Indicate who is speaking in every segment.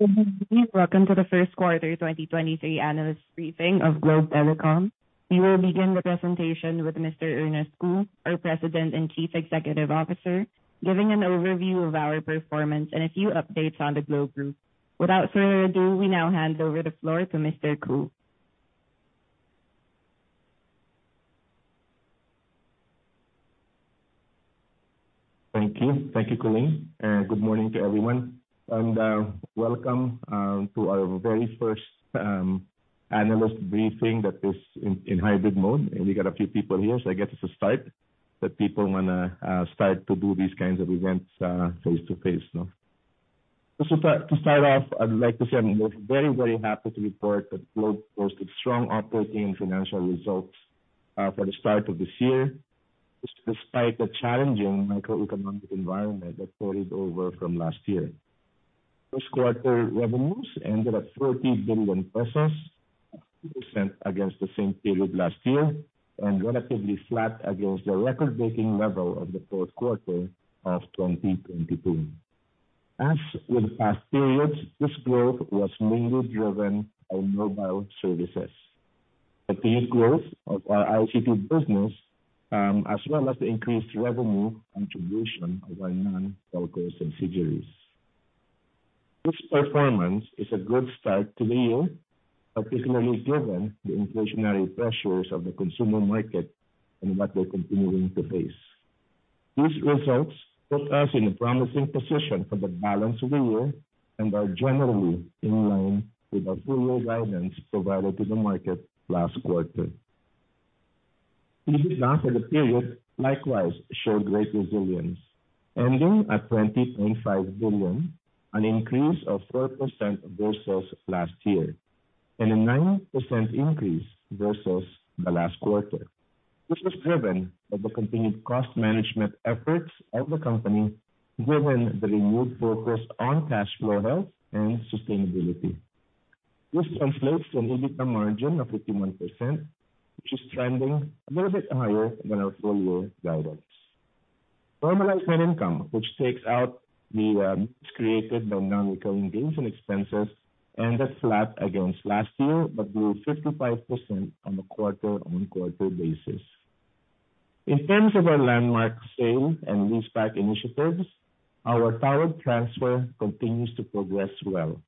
Speaker 1: Good evening. Welcome to the first quarter 2023 analyst briefing of Globe Telecom. We will begin the presentation with Mr. Ernest Cu, our President and Chief Executive Officer, giving an overview of our performance and a few updates on the Globe Group. Without further ado, we now hand over the floor to Mr. Cu.
Speaker 2: Thank you. Thank you, Colleen. Good morning to everyone, welcome to our very first analyst briefing that is in hybrid mode. We got a few people here, so I guess it's a start that people want to do these kinds of events face-to-face, no? Just to start off, I'd like to say I'm very, very happy to report that Globe posted strong operating financial results for the start of this year despite the challenging macroeconomic environment that carried over from last year. First quarter revenues ended at 30 billion pesos, 2% against the same period last year, and relatively flat against the record-breaking level of the fourth quarter of 2022. As with past periods, this growth was mainly driven by mobile services. The peak growth of our ICT business, as well as the increased revenue contribution of our non-telco subsidiaries. This performance is a good start to the year, particularly given the inflationary pressures of the consumer market and what we're continuing to face. These results put us in a promising position for the balance of the year and are generally in line with our full year guidance provided to the market last quarter. EBITDA for the period likewise showed great resilience, ending at 20.5 billion, an increase of 4% versus last year, and a 9% increase versus the last quarter. This was driven by the continued cost management efforts of the company, given the renewed focus on cash flow health and sustainability. This translates to an EBITDA margin of 51%, which is trending a little bit higher than our full year guidance. Normalized net income, which takes out the created by non-recurring gains and expenses, ended flat against last year, grew 55% on a quarter-on-quarter basis. In terms of our landmark sale and leaseback initiatives, our tower transfer continues to progress well,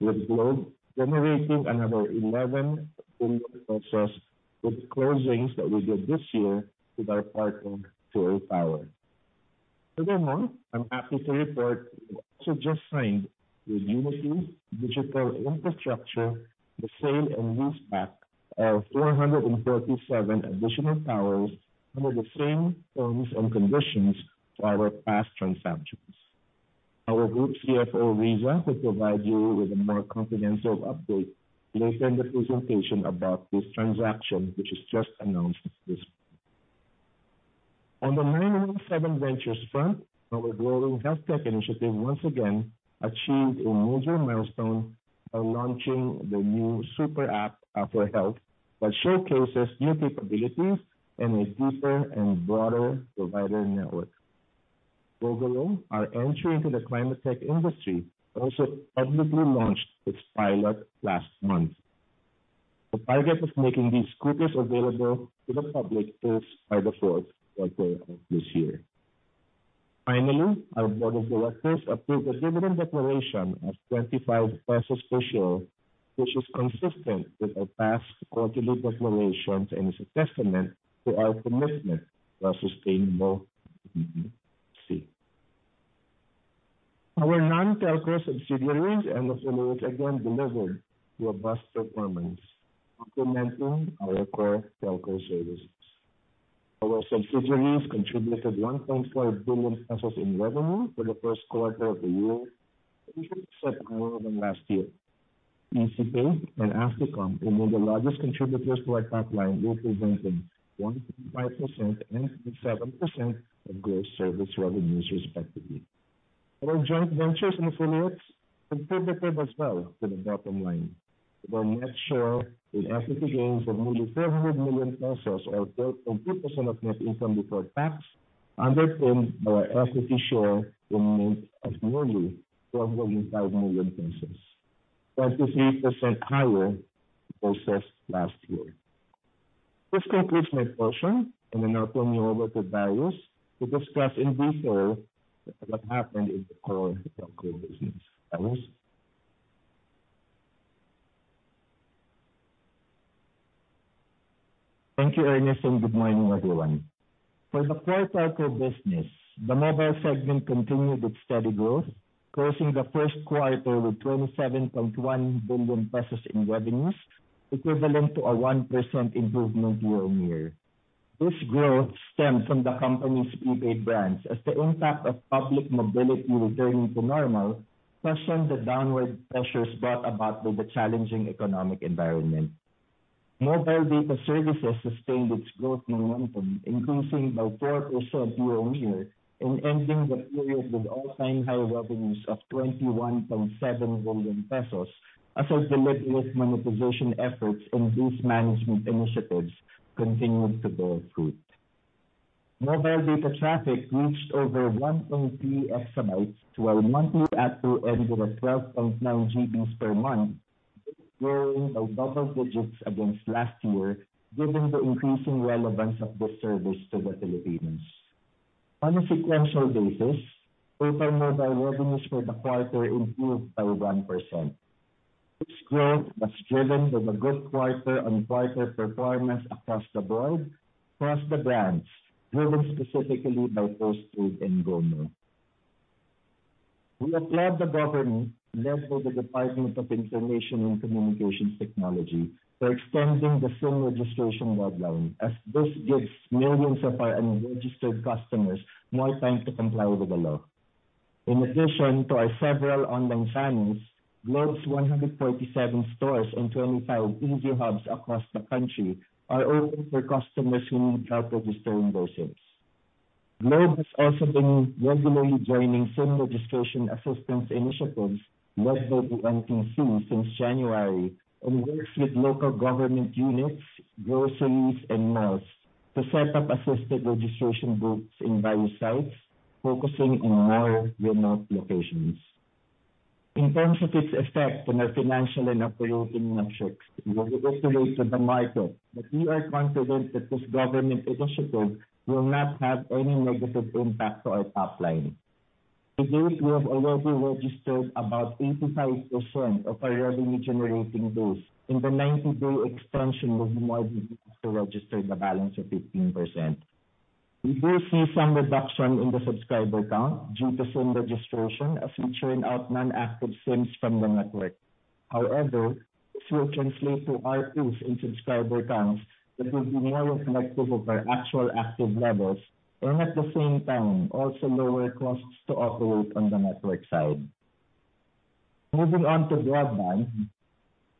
Speaker 2: with Globe generating another 11 billion with closings that we did this year with our partner, Phil Tower. I'm happy to report we also just signed with Unity Digital Infrastructure the sale and leaseback of 437 additional towers under the same terms and conditions to our past transactions. Our group CFO, Riza, will provide you with a more comprehensive update later in the presentation about this transaction, which was just announced this month. On the 917Ventures front, our growing HealthTech initiative once again achieved a major milestone by launching the new super app, APL Health that showcases new capabilities and a deeper and broader provider network. Gogoro, our entry into the climate tech industry, also publicly launched its pilot last month. The target of making these scooters available to the public is by the 4th quarter of this year. Finally, our board of directors approved a dividend declaration of 25 pesos per share, which is consistent with our past quarterly declarations and is a testament to our commitment to a sustainable PPC. Our non-telco subsidiaries and affiliates again delivered robust performance, complementing our core telco services. Our subsidiaries contributed 1.4 billion pesos in revenue for the 1st quarter of the year, 50% higher than last year.g and Asticom remain the largest contributors to our top line, representing 1.5% and 7% of gross service revenues respectively. Our joint ventures and affiliates contributed as well to the bottom line, with our net share in equity gains of nearly 300 million pesos or 2% of net income before tax, underpinned by our equity share in Mynt of nearly PHP 1,205 million, 23% higher versus last year. This concludes my portion, I now turn you over to Darius to discuss in detail what happened in the core telco business. Darius?
Speaker 3: Thank you, Ernest, good morning, everyone. For the core telco business, the mobile segment continued its steady growth, closing the first quarter with 27.1 billion pesos in revenues, equivalent to a 1% improvement year-on-year. This growth stemmed from the company's prepaid brands as the impact of public mobility returning to normal cushioned the downward pressures brought about by the challenging economic environment. Mobile data services sustained its growth momentum, increasing by 4% year-on-year and ending the period with all-time high revenues of 21.7 billion pesos as our deliberate monetization efforts and risk management initiatives continued to bear fruit. Mobile data traffic reached over 1.3 exabytes while monthly ACTR ended at 12.9 GBs per month, growing by double digits against last year, given the increasing relevance of this service to the Philippines. On a sequential basis, total mobile revenues for the quarter improved by 1%. This growth was driven from a good quarter-on-quarter performance across the board, across the brands, driven specifically by postpaid and GlobeOne. We applaud the government, led by the Department of Information and Communications Technology, for extending the SIM registration deadline, as this gives millions of our unregistered customers more time to comply with the law. In addition to our several online channels, Globe's 147 stores and 25 EasyHub across the country are open for customers who need help registering their SIMs. Globe has also been regularly joining SIM registration assistance initiatives led by the NTC since January and works with local government units, groceries, and malls to set up assisted registration booths in various sites, focusing on more remote locations. In terms of its effect on our financial and operating metrics, we will communicate to the market that we are confident that this government initiative will not have any negative impact to our top line. To date, we have already registered about 85% of our revenue-generating base. The 90-day extension will be more difficult to register the balance of 15%. We do see some reduction in the subscriber count due to SIM registration, as we churn out non-active SIMs from the network. This will translate to our increase in subscriber counts that will be more reflective of our actual active levels and at the same time also lower costs to operate on the network side. Moving on to broadband,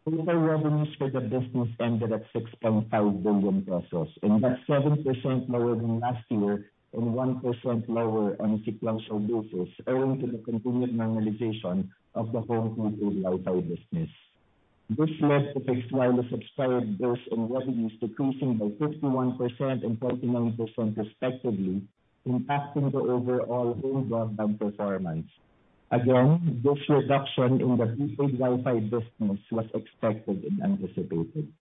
Speaker 3: total revenues for the business ended at 6.5 billion pesos and that's 7% lower than last year and 1% lower on a sequential basis, owing to the continued normalization of the home fixed Wi-Fi business. This led to fixed wireless subscribed base and revenues decreasing by 51% and 49% respectively, impacting the overall home broadband performance. This reduction in the fixed Wi-Fi business was expected and anticipated.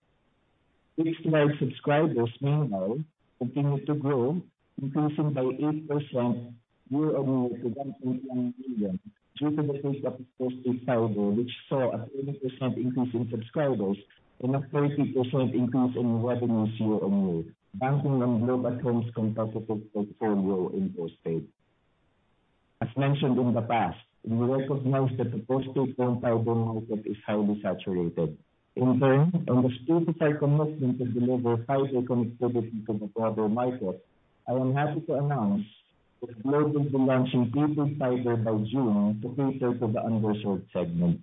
Speaker 3: Fixed wireless subscribers meanwhile continued to grow, increasing by 8% year-on-year to 1.9 million due to the pace of postpaid fiber, which saw a 30% increase in subscribers and a 30% increase in revenues year-on-year, banking on Globe At Home's competitive portfolio in postpaid. As mentioned in the past, we recognize that the postpaid home fiber market is highly saturated. As true to our commitment to deliver fiber connectivity to the broader market, I am happy to announce that Globe will be launching prepaid fiber by June to cater to the underserved segment.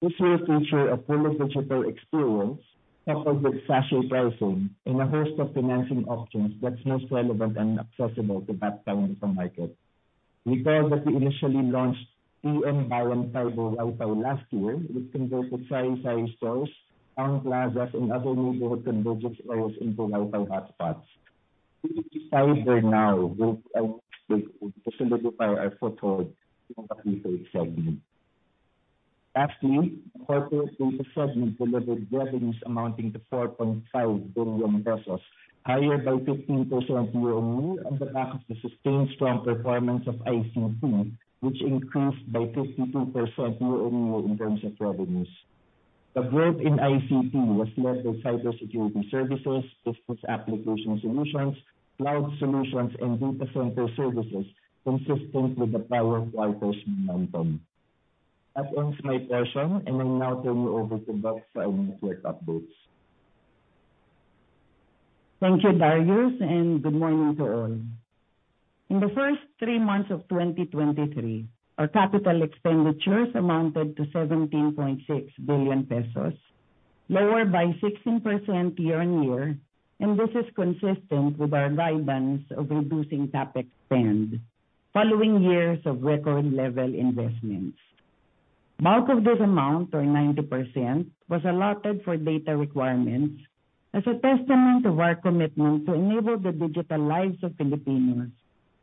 Speaker 3: This will feature a fully digital experience coupled with sachet pricing and a host of financing options that's most relevant and accessible to that segment of market. Recall that we initially launched TM Power Fiber Wi-Fi last year, which converted sari-sari stores, town plazas, and other neighborhood convergence areas into Wi-Fi hotspots. Prepaid fiber now will solidify our foothold in the prepaid segment. Lastly, the corporate data segment delivered revenues amounting to 4.5 billion pesos, higher by 15% year-on-year on the back of the sustained strong performance of ICT, which increased by 52% year-on-year in terms of revenues. The growth in ICT was led by cybersecurity services, business application solutions, cloud solutions, and data center services, consistent with the prior quarters momentum. That ends my portion, and I now turn you over to Riza for our corporate updates.
Speaker 4: Thank you, Darius. Good morning to all. In the first 3 months of 2023, our capital expenditures amounted to 17.6 billion pesos, lower by 16% year-on-year. This is consistent with our guidance of reducing CapEx spend following years of record level investments. Bulk of this amount, or 90%, was allotted for data requirements as a testament of our commitment to enable the digital lives of Filipinos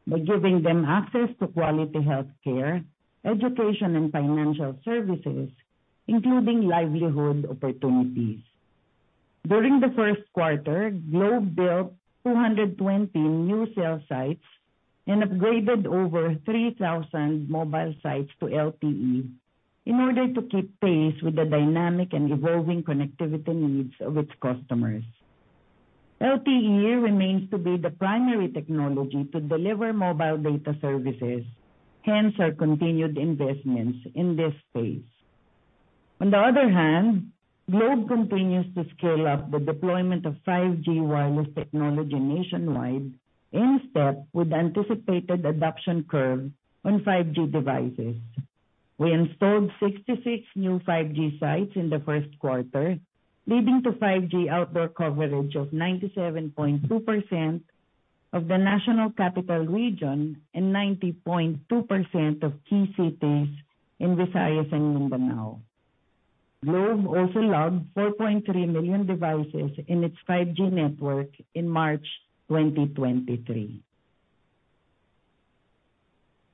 Speaker 4: by giving them access to quality healthcare, education, and financial services, including livelihood opportunities. During the first quarter, Globe built 220 new cell sites and upgraded over 3,000 mobile sites to LTE in order to keep pace with the dynamic and evolving connectivity needs of its customers. LTE remains to be the primary technology to deliver mobile data services, hence our continued investments in this space. On the other hand, Globe continues to scale up the deployment of 5G wireless technology nationwide in step with anticipated adoption curve on 5G devices. We installed 66 new 5G sites in the first quarter, leading to 5G outdoor coverage of 97.2% of the National Capital Region and 90.2% of key cities in Visayas and Mindanao. Globe also launched 4.3 million devices in its 5G network in March 2023.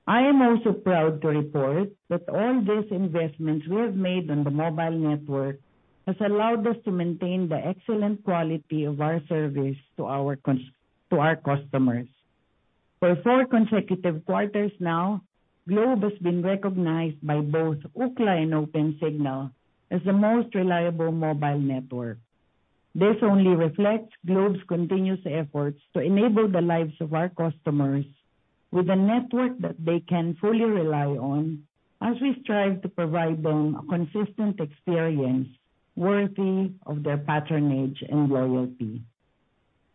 Speaker 4: I am also proud to report that all these investments we have made on the mobile network has allowed us to maintain the excellent quality of our service to our customers. For four consecutive quarters now, Globe has been recognized by both Ookla and Opensignal as the most reliable mobile network. This only reflects Globe's continuous efforts to enable the lives of our customers with a network that they can fully rely on as we strive to provide them a consistent experience worthy of their patronage and loyalty.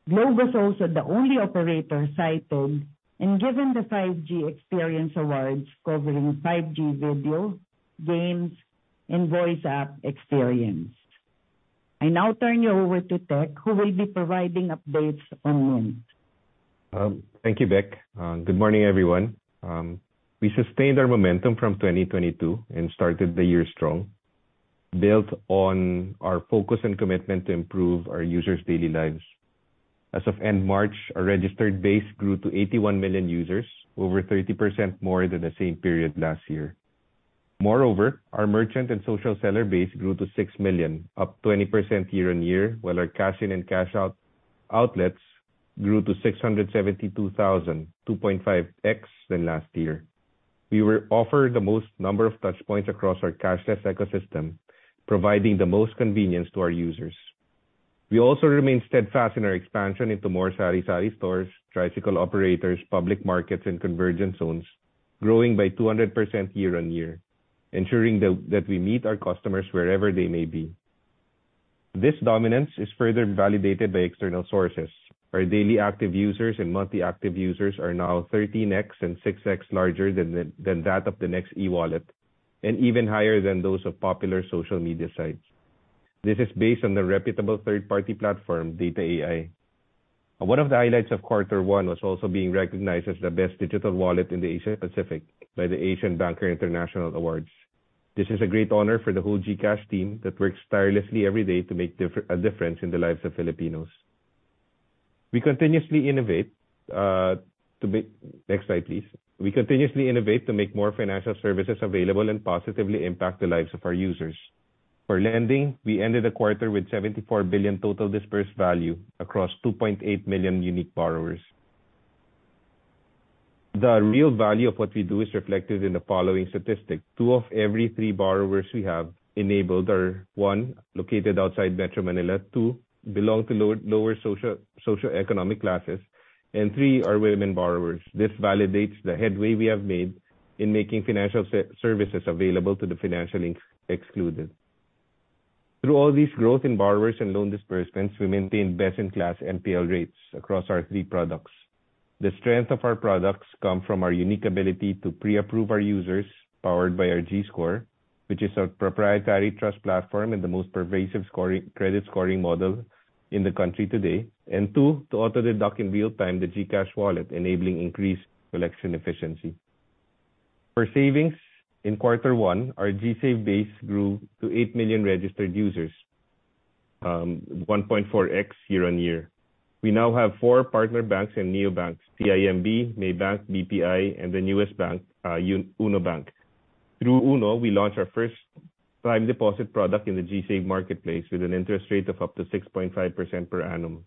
Speaker 4: Globe was also the only operator cited and given the 5G experience awards covering 5G video, games, and voice app experience. I now turn you over to Tek, who will be providing updates on Mynt.
Speaker 5: Thank you, Riza. Good morning, everyone. We sustained our momentum from 2022 and started the year strong, built on our focus and commitment to improve our users' daily lives. As of end March, our registered base grew to 81 million users, over 30% more than the same period last year. Moreover, our merchant and social seller base grew to 6 million, up 20% year-on-year, while our cash-in and cash-out outlets grew to 672,000, 2.5x than last year. We will offer the most number of touch points across our cashless ecosystem, providing the most convenience to our users. We also remain steadfast in our expansion into more sari-sari stores, tricycle operators, public markets, and convergence zones, growing by 200% year-on-year, ensuring that we meet our customers wherever they may be. This dominance is further validated by external sources. Our daily active users and monthly active users are now 13x and 6x larger than that of the next e-wallet and even higher than those of popular social media sites. This is based on the reputable third-party platform, data.ai. One of the highlights of quarter one was also being recognized as the best digital wallet in the Asia-Pacific by the Asian Banker International Awards. This is a great honor for the whole GCash team that works tirelessly every day to make a difference in the lives of Filipinos. We continuously innovate to make. Next slide, please. We continuously innovate to make more financial services available and positively impact the lives of our users. For lending, we ended the quarter with 74 billion total dispersed value across 2.8 million unique borrowers. The real value of what we do is reflected in the following statistics. Two of every three borrowers we have enabled are one, located outside Metro Manila, two, belong to low-lower social, socioeconomic classes, and three, are women borrowers. This validates the headway we have made in making financial services available to the financially excluded. Through all these growth in borrowers and loan disbursements, we maintain best-in-class NPL rates across our three products. The strength of our products come from our unique ability to pre-approve our users, powered by our GScore, which is our proprietary trust platform and the most pervasive credit scoring model in the country today. Two, to auto-deduct in real-time the GCash wallet, enabling increased collection efficiency. For savings, in quarter one, our GSave base grew to 8 million registered users, 1.4x year-over-year. We now have four partner banks and neobanks, CIMB, Maybank, BPI and the newest bank, UNO Digital Bank. Through UNO, we launched our first time deposit product in the GSave marketplace with an interest rate of up to 6.5% per annum.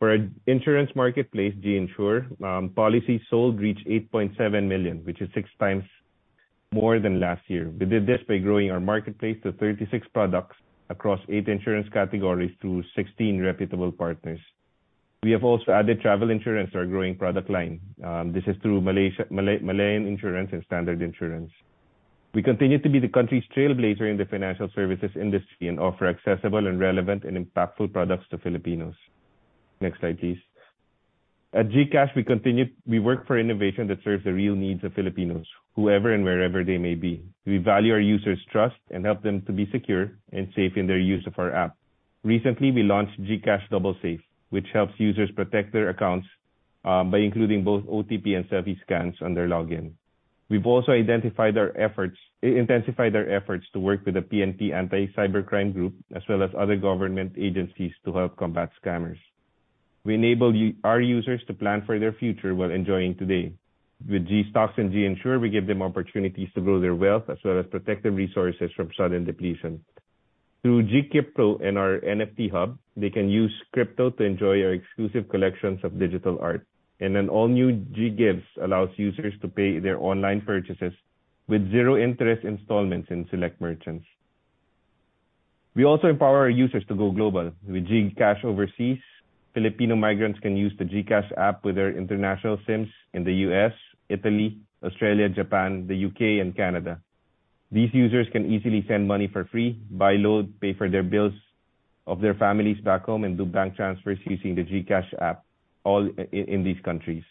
Speaker 5: For our insurance marketplace, GInsure, policies sold reached 8.7 million, which is 6 times more than last year. We did this by growing our marketplace to 36 products across 8 insurance categories through 16 reputable partners. We have also added travel insurance to our growing product line. This is through Malayan Insurance and Standard Insurance. We continue to be the country's trailblazer in the financial services industry and offer accessible and relevant and impactful products to Filipinos. Next slide, please. At GCash, we work for innovation that serves the real needs of Filipinos, whoever and wherever they may be. We value our users' trust and help them to be secure and safe in their use of our app. Recently, we launched GCash DoubleSafe, which helps users protect their accounts by including both OTP and selfie scans on their login. We've also intensified our efforts to work with the PNP Anti-Cybercrime Group, as well as other government agencies to help combat scammers. We enable our users to plan for their future while enjoying today. With GStocks and GInsure, we give them opportunities to grow their wealth as well as protect their resources from sudden depletion. Through GCrypto and our NFT Hub, they can use crypto to enjoy our exclusive collections of digital art. An all-new GGives allows users to pay their online purchases with zero interest installments in select merchants. We also empower our users to go global. With GCash Overseas, Filipino migrants can use the GCash app with their international SIMs in the U.S., Italy, Australia, Japan, the U.K., and Canada. These users can easily send money for free, buy load, pay for their bills of their families back home, and do bank transfers using the GCash app, all in these countries.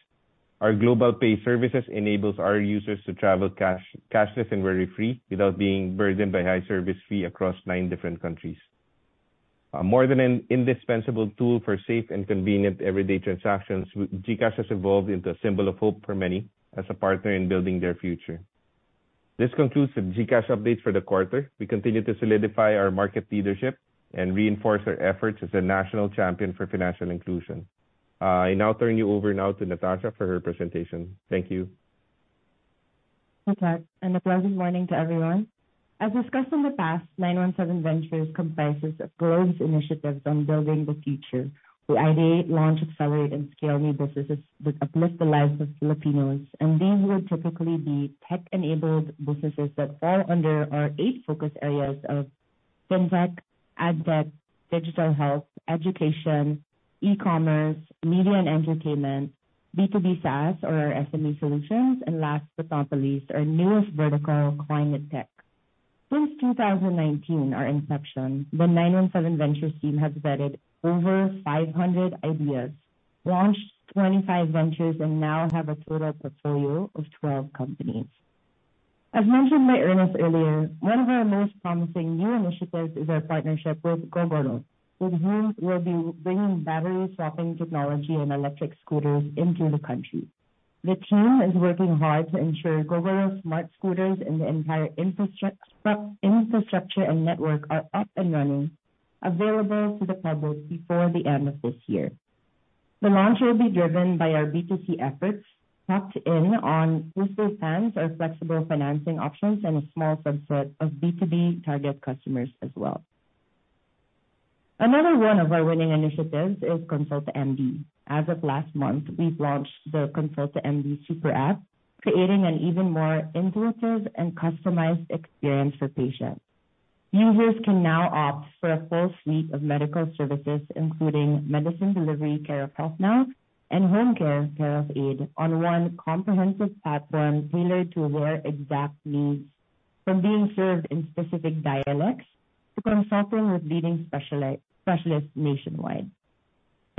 Speaker 5: Our global pay services enables our users to travel cashless and worry-free without being burdened by high service fee across nine different countries. More than an indispensable tool for safe and convenient everyday transactions, GCash has evolved into a symbol of hope for many as a partner in building their future. This concludes the GCash update for the quarter. We continue to solidify our market leadership and reinforce our efforts as a national champion for financial inclusion. I turn you over now to Natasha for her presentation. Thank you.
Speaker 6: Okay. A pleasant morning to everyone. As discussed in the past, 917Ventures comprises a broad initiative from building the future. We ideate, launch, accelerate, and scale new businesses that uplift the lives of Filipinos, these will typically be tech-enabled businesses that fall under our eight focus areas of FinTech, AdTech, digital health, education, e-commerce, media and entertainment, B2B SaaS or SME solutions, and last but not least, our newest vertical, climate tech. Since 2019, our inception, the 917Ventures team has vetted over 500 ideas, launched 25 ventures, and now have a total portfolio of 12 companies. As mentioned by Ernest earlier, one of our most promising new initiatives is our partnership with Gogoro, with whom we'll be bringing battery swapping technology and electric scooters into the country. The team is working hard to ensure Gogoro's smart scooters and the entire infrastructure and network are up and running, available to the public before the end of this year. The launch will be driven by our B2C efforts, tapped in on GoBOOSTERS, our flexible financing options, and a small subset of B2B target customers as well. Another one of our winning initiatives is KonsultaMD. As of last month, we've launched the KonsultaMD super app, creating an even more intuitive and customized experience for patients. Users can now opt for a full suite of medical services, including medicine delivery care of HealthNow and home care of AIDE, on one comprehensive platform tailored to their exact needs from being served in specific dialects to consulting with leading specialists nationwide.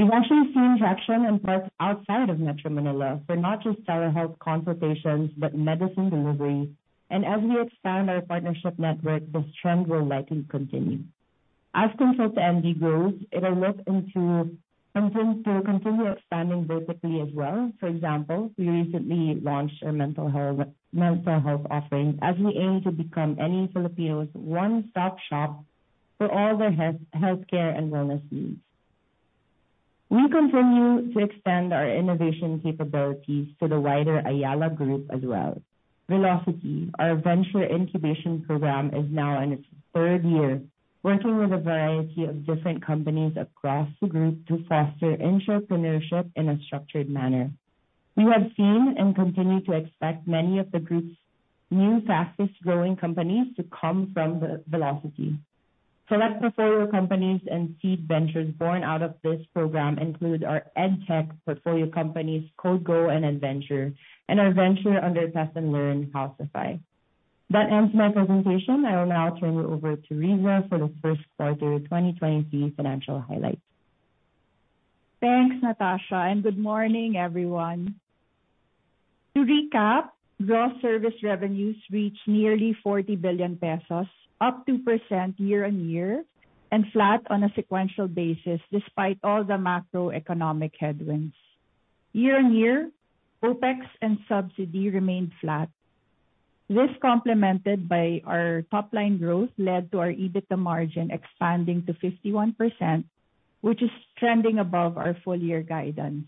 Speaker 6: We've actually seen traction in parts outside of Metro Manila for not just telehealth consultations, but medicine delivery. As we expand our partnership network, this trend will likely continue. As KonsultaMD grows, it'll look to continue expanding vertically as well. For example, we recently launched a mental health offering as we aim to become any Filipino's one-stop shop for all their health, healthcare and wellness needs. We continue to extend our innovation capabilities to the wider Ayala Group as well. Velocity, our venture incubation program, is now in its third year, working with a variety of different companies across the group to foster entrepreneurship in a structured manner. We have seen and continue to expect many of the group's new fastest-growing companies to come from the Velocity. Select portfolio companies and seed ventures born out of this program include our EdTech portfolio companies KodeGo and EdVenture, and our venture under Test & Learn, Housify. That ends my presentation. I will now turn it over to Riza for the first quarter 2023 financial highlights.
Speaker 4: Thanks, Natasha. Good morning, everyone. To recap, gross service revenues reached nearly 40 billion pesos, up 2% year-on-year and flat on a sequential basis, despite all the macroeconomic headwinds. Year-on-year, OpEx and subsidy remained flat. This complemented by our top line growth led to our EBITDA margin expanding to 51%, which is trending above our full year guidance.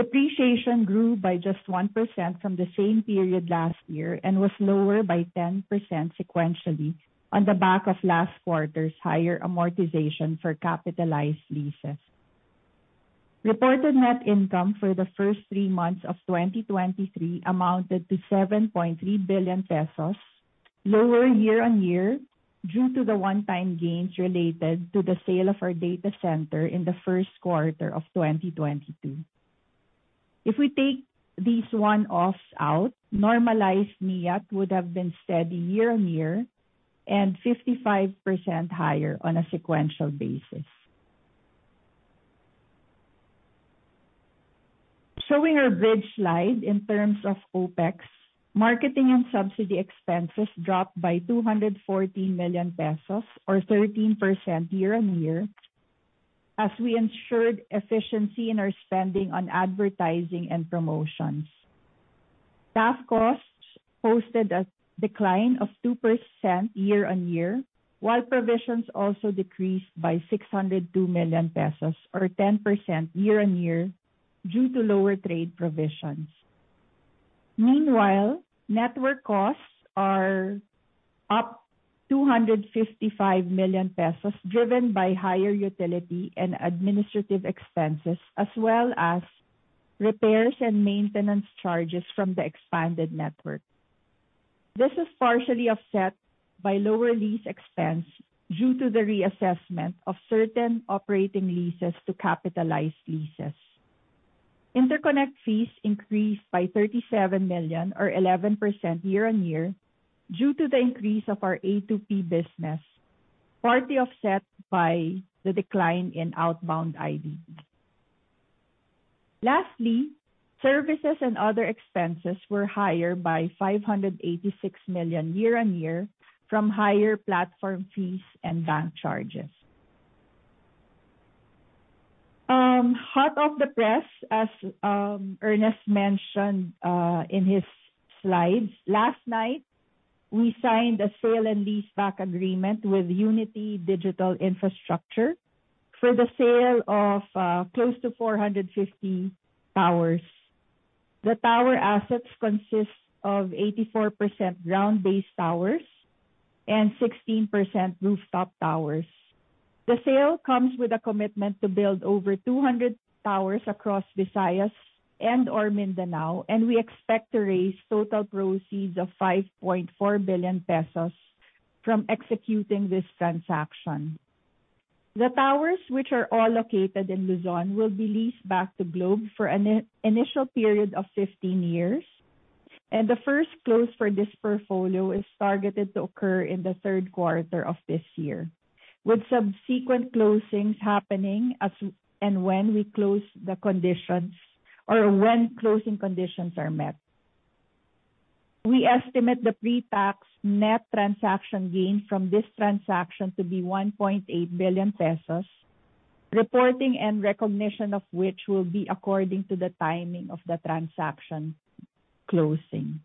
Speaker 4: Depreciation grew by just 1% from the same period last year and was lower by 10% sequentially on the back of last quarter's higher amortization for capitalized leases. Reported net income for the first three months of 2023 amounted to 7.3 billion pesos, lower year-on-year due to the one-time gains related to the sale of our data center in the first quarter of 2022. If we take these one-offs out, normalized NIAT would have been steady year-on-year and 55% higher on a sequential basis. Showing our bridge slide in terms of OpEx, marketing and subsidy expenses dropped by 214 million pesos or 13% year-on-year as we ensured efficiency in our spending on advertising and promotions. Staff costs posted a decline of 2% year-on-year, while provisions also decreased by 602 million pesos or 10% year-on-year due to lower trade provisions. Meanwhile, network costs are up 255 million pesos, driven by higher utility and administrative expenses, as well as repairs and maintenance charges from the expanded network. This is partially offset by lower lease expense due to the reassessment of certain operating leases to capitalized leases. Interconnect fees increased by 37 million or 11% year-on-year due to the increase of our A2P business, partly offset by the decline in outbound IDD. Services and other expenses were higher by 586 million year-on-year from higher platform fees and bank charges. Hot off the press, as Ernest mentioned in his slides, last night, we signed a sale and leaseback agreement with Unity Digital Infrastructure for the sale of close to 450 towers. The tower assets consist of 84% ground-based towers and 16% rooftop towers. The sale comes with a commitment to build over 200 towers across Visayas and/or Mindanao. We expect to raise total proceeds of 5.4 billion pesos from executing this transaction. The towers, which are all located in Luzon, will be leased back to Globe for an initial period of 15 years. The first close for this portfolio is targeted to occur in the third quarter of this year, with subsequent closings happening as and when we close the conditions or when closing conditions are met. We estimate the pre-tax net transaction gain from this transaction to be 1.8 billion pesos, reporting and recognition of which will be according to the timing of the transaction closing.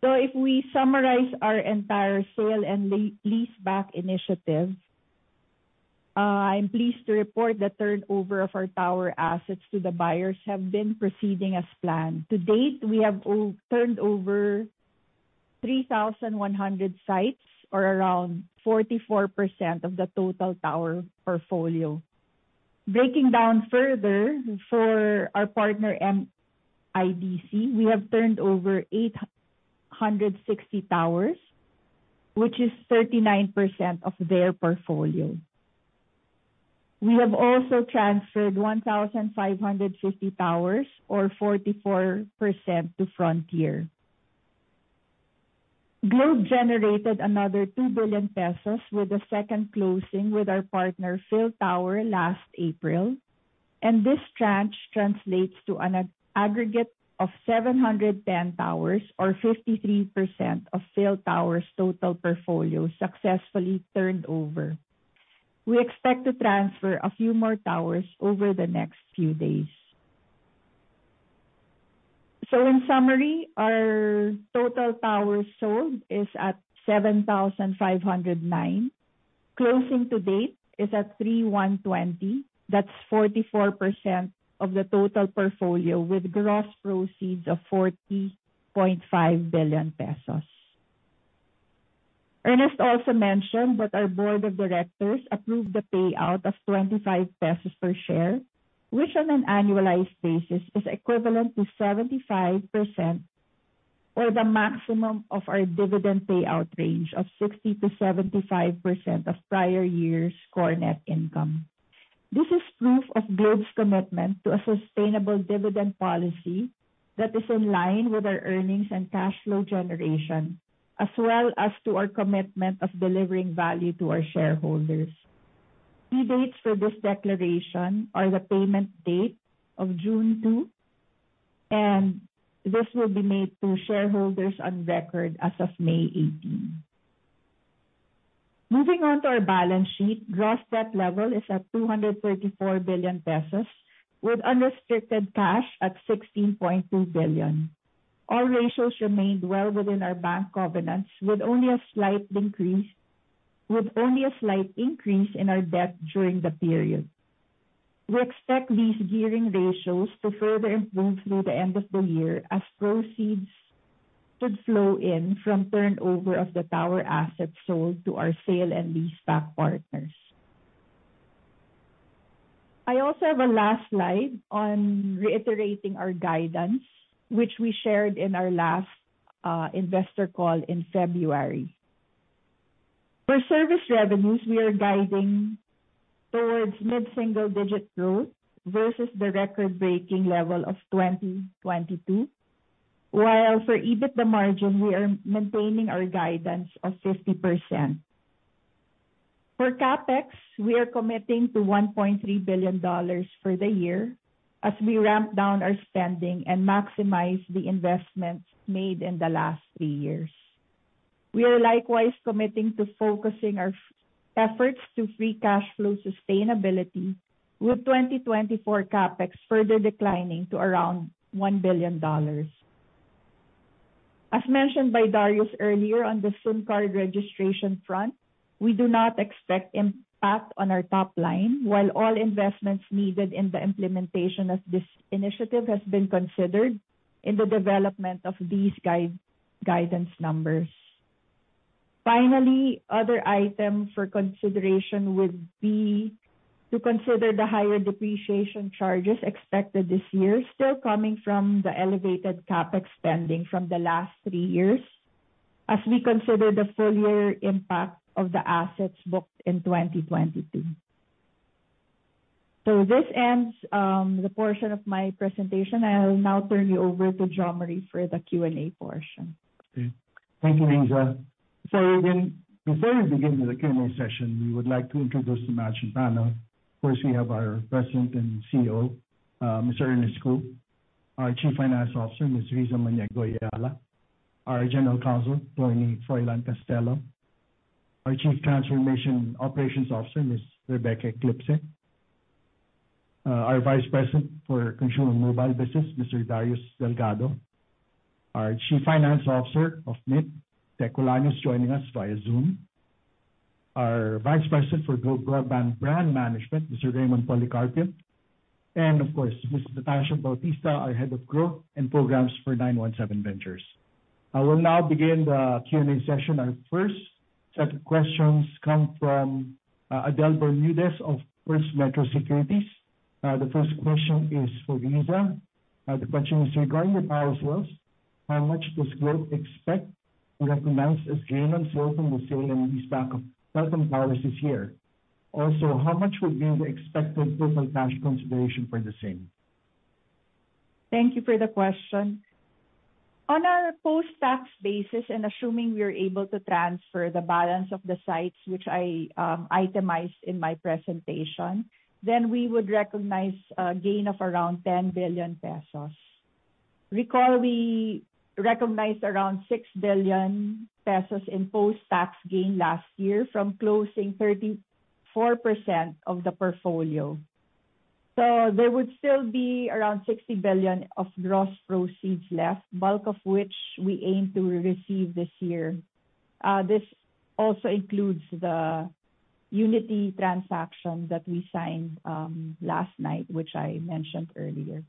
Speaker 4: If we summarize our entire sale and leaseback initiative, I'm pleased to report the turnover of our tower assets to the buyers have been proceeding as planned. To date, we have turned over 3,100 sites or around 44% of the total tower portfolio. Breaking down further, for our partner MIDC, we have turned over 860 towers, which is 39% of their portfolio. We have also transferred 1,550 towers or 44% to Frontier. Globe generated another 2 billion pesos with the second closing with our partner, PhilTower, last April. This tranche translates to an aggregate of 710 towers or 53% of PhilTower's total portfolio successfully turned over. We expect to transfer a few more towers over the next few days. In summary, our total towers sold is at 7,509. Closing to date is at 3,120. That's 44% of the total portfolio with gross proceeds of 40.5 billion pesos. Ernest also mentioned that our board of directors approved the payout of 25 pesos per share, which on an annualized basis is equivalent to 75% or the maximum of our dividend payout range of 60%-75% of prior year's core net income. This is proof of Globe's commitment to a sustainable dividend policy that is in line with our earnings and cash flow generation, as well as to our commitment of delivering value to our shareholders. Key dates for this declaration are the payment date of June 2, this will be made to shareholders on record as of May 18. Moving on to our balance sheet, gross debt level is at 234 billion pesos with unrestricted cash at 16.2 billion. All ratios remained well within our bank covenants, with only a slight increase in our debt during the period. We expect these gearing ratios to further improve through the end of the year as proceeds should flow in from turnover of the tower assets sold to our sale and leaseback partners. I also have a last slide on reiterating our guidance, which we shared in our last investor call in February. For service revenues, we are guiding towards mid-single digit growth versus the record-breaking level of 2022. While for EBITDA margin, we are maintaining our guidance of 50%. For CapEx, we are committing to $1.3 billion for the year as we ramp down our spending and maximize the investments made in the last three years. We are likewise committing to focusing our efforts to free cash flow sustainability, with 2024 CapEx further declining to around $1 billion. As mentioned by Darius earlier on the SIM card registration front, we do not expect impact on our top line while all investments needed in the implementation of this initiative has been considered in the development of these guidance numbers. Other item for consideration would be to consider the higher depreciation charges expected this year, still coming from the elevated CapEx spending from the last three years, as we consider the full year impact of the assets booked in 2022. This ends the portion of my presentation. I will now turn you over to Jose Mari for the Q&A portion.
Speaker 7: Okay. Thank you, Riza. Before we begin with the Q&A session, we would like to introduce the management panel. First, we have our President and CEO, Mr. Ernest Cu. Our Chief Finance Officer, Ms. Riza Maniego-Eala. Our General Counsel, Attorney Froilan Castelo. Our Chief Transformation Operations Officer, Ms. Rebecca Eclipse. Our Vice President for Consumer Mobile Business, Mr. Darius Delgado. Our Chief Finance Officer of Mynt, Tek Olaño, joining us via Zoom. Our Vice President for Globe Broadband Brand Management, Mr. Raymond Policarpio. Of course, Ms. Natasha Bautista, our Head of Growth and Programs for 917Ventures. I will now begin the Q&A session. Our first set of questions come from Adele Bermudez of First Metro Securities. The first question is for Riza. The question is regarding the power sales, how much does Globe expect to recognize as gain on sale from the sale and leaseback of telecom towers this year? Also, how much would be the expected total cash consideration for the same?
Speaker 4: Thank you for the question. On our post-tax basis and assuming we are able to transfer the balance of the sites which I itemized in my presentation, then we would recognize a gain of around 10 billion pesos. Recall we recognized around 6 billion pesos in post-tax gain last year from closing 34% of the portfolio. There would still be around 60 billion of gross proceeds left, bulk of which we aim to receive this year. This also includes the Unity transaction that we signed last night, which I mentioned earlier.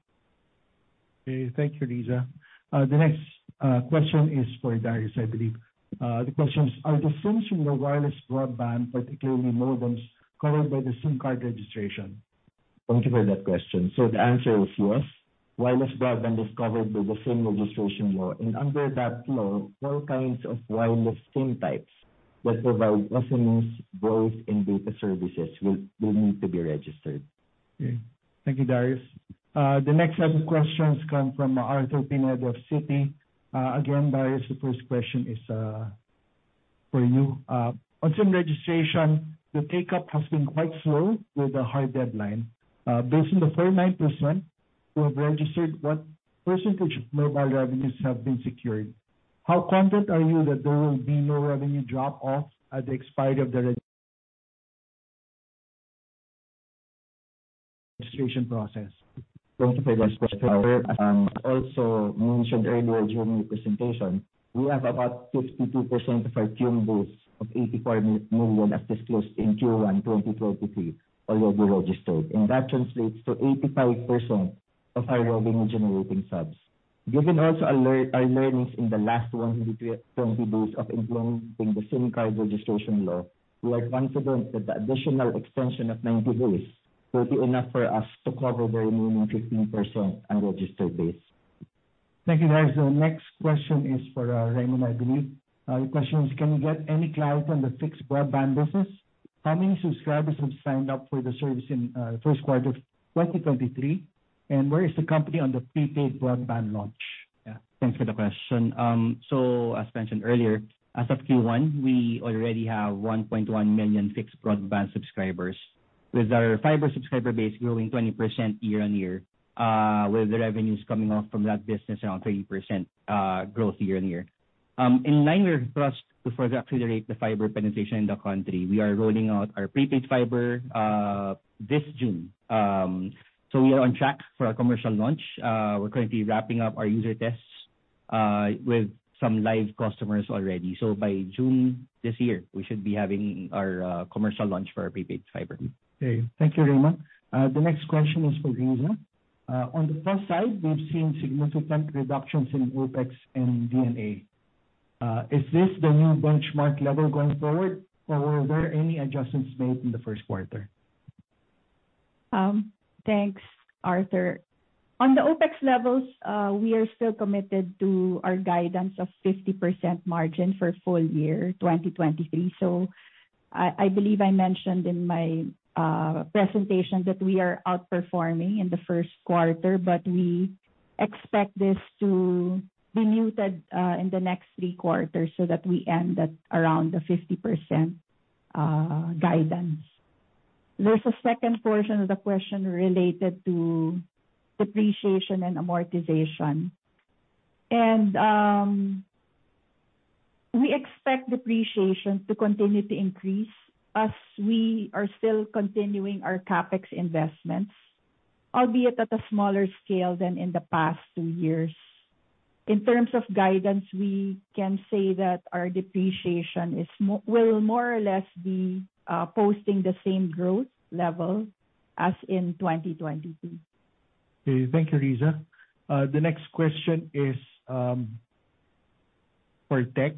Speaker 7: Okay. Thank you, Riza. The next question is for Darius, I believe. The question is, are the phones from the wireless broadband, particularly modems, covered by the SIM card registration?
Speaker 3: Thank you for that question. The answer is yes. Wireless broadband is covered by the SIM Registration Act. Under that law, all kinds of wireless SIM types that provide SMS, voice, and data services will need to be registered.
Speaker 7: Okay. Thank you, Darius. The next set of questions come from Arthur Pineda of Citi. Again, Darius, the first question is for you. On SIM registration, the take-up has been quite slow with a hard deadline. Based on the 49% who have registered, what percentage of mobile revenues have been secured? How confident are you that there will be no revenue drop-off at the expiry of the registration process?
Speaker 3: Thank you for this question, Arthur. Also mentioned earlier during my presentation, we have about 62% of our SIM base of 84 million as disclosed in Q1, 2023 already registered. That translates to 85% of our revenue generating subs. Given also our learnings in the last 120 days of implementing the SIM card registration law, we are confident that the additional extension of 90 days will be enough for us to cover the remaining 15% unregistered base.
Speaker 7: Thank you, guys. The next question is for Raymond, I believe. The question is, can you get any clarity on the fixed broadband business? How many subscribers have signed up for the service in, first quarter 2023? Where is the company on the prepaid broadband launch?
Speaker 8: Yeah, thanks for the question. As mentioned earlier, as of Q1, we already have 1.1 million fixed broadband subscribers, with our fiber subscriber base growing 20% year-over-year, with the revenues coming off from that business around 30% growth year-over-year. In line with our thrust to further accelerate the fiber penetration in the country, we are rolling out our prepaid fiber this June. We are on track for our commercial launch. We're currently wrapping up our user tests with some live customers already. By June this year, we should be having our commercial launch for our prepaid fiber.
Speaker 7: Thank you, Raymond. The next question is for Riza. On the cost side, we've seen significant reductions in OpEx and D&A. Is this the new benchmark level going forward, or were there any adjustments made in the first quarter?
Speaker 4: Thanks, Arthur. On the OpEx levels, we are still committed to our guidance of 50% margin for full year 2023. I believe I mentioned in my presentation that we are outperforming in the first quarter, but we expect this to be muted in the next three quarters so that we end at around the 50% guidance. There's a second portion of the question related to depreciation and amortization. We expect depreciation to continue to increase as we are still continuing our CapEx investments, albeit at a smaller scale than in the past 2 years. In terms of guidance, we can say that our depreciation will more or less be posting the same growth level as in 2022.
Speaker 7: Okay. Thank you, Riza. The next question is for Tek.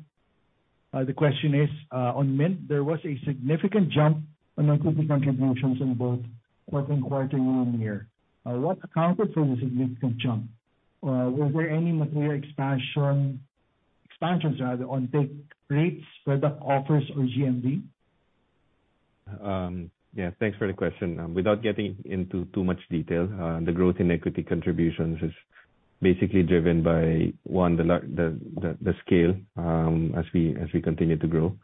Speaker 7: The question is on Mynt, there was a significant jump on non-cash contributions in both first quarter year-on-year. What accounted for the significant jump? Were there any material expansion, expansions rather, on take rates, product offers or GMV?
Speaker 5: Yeah, thanks for the question. Without getting into too much detail, the growth in equity contributions is basically driven by, one, the scale, as we continue to grow.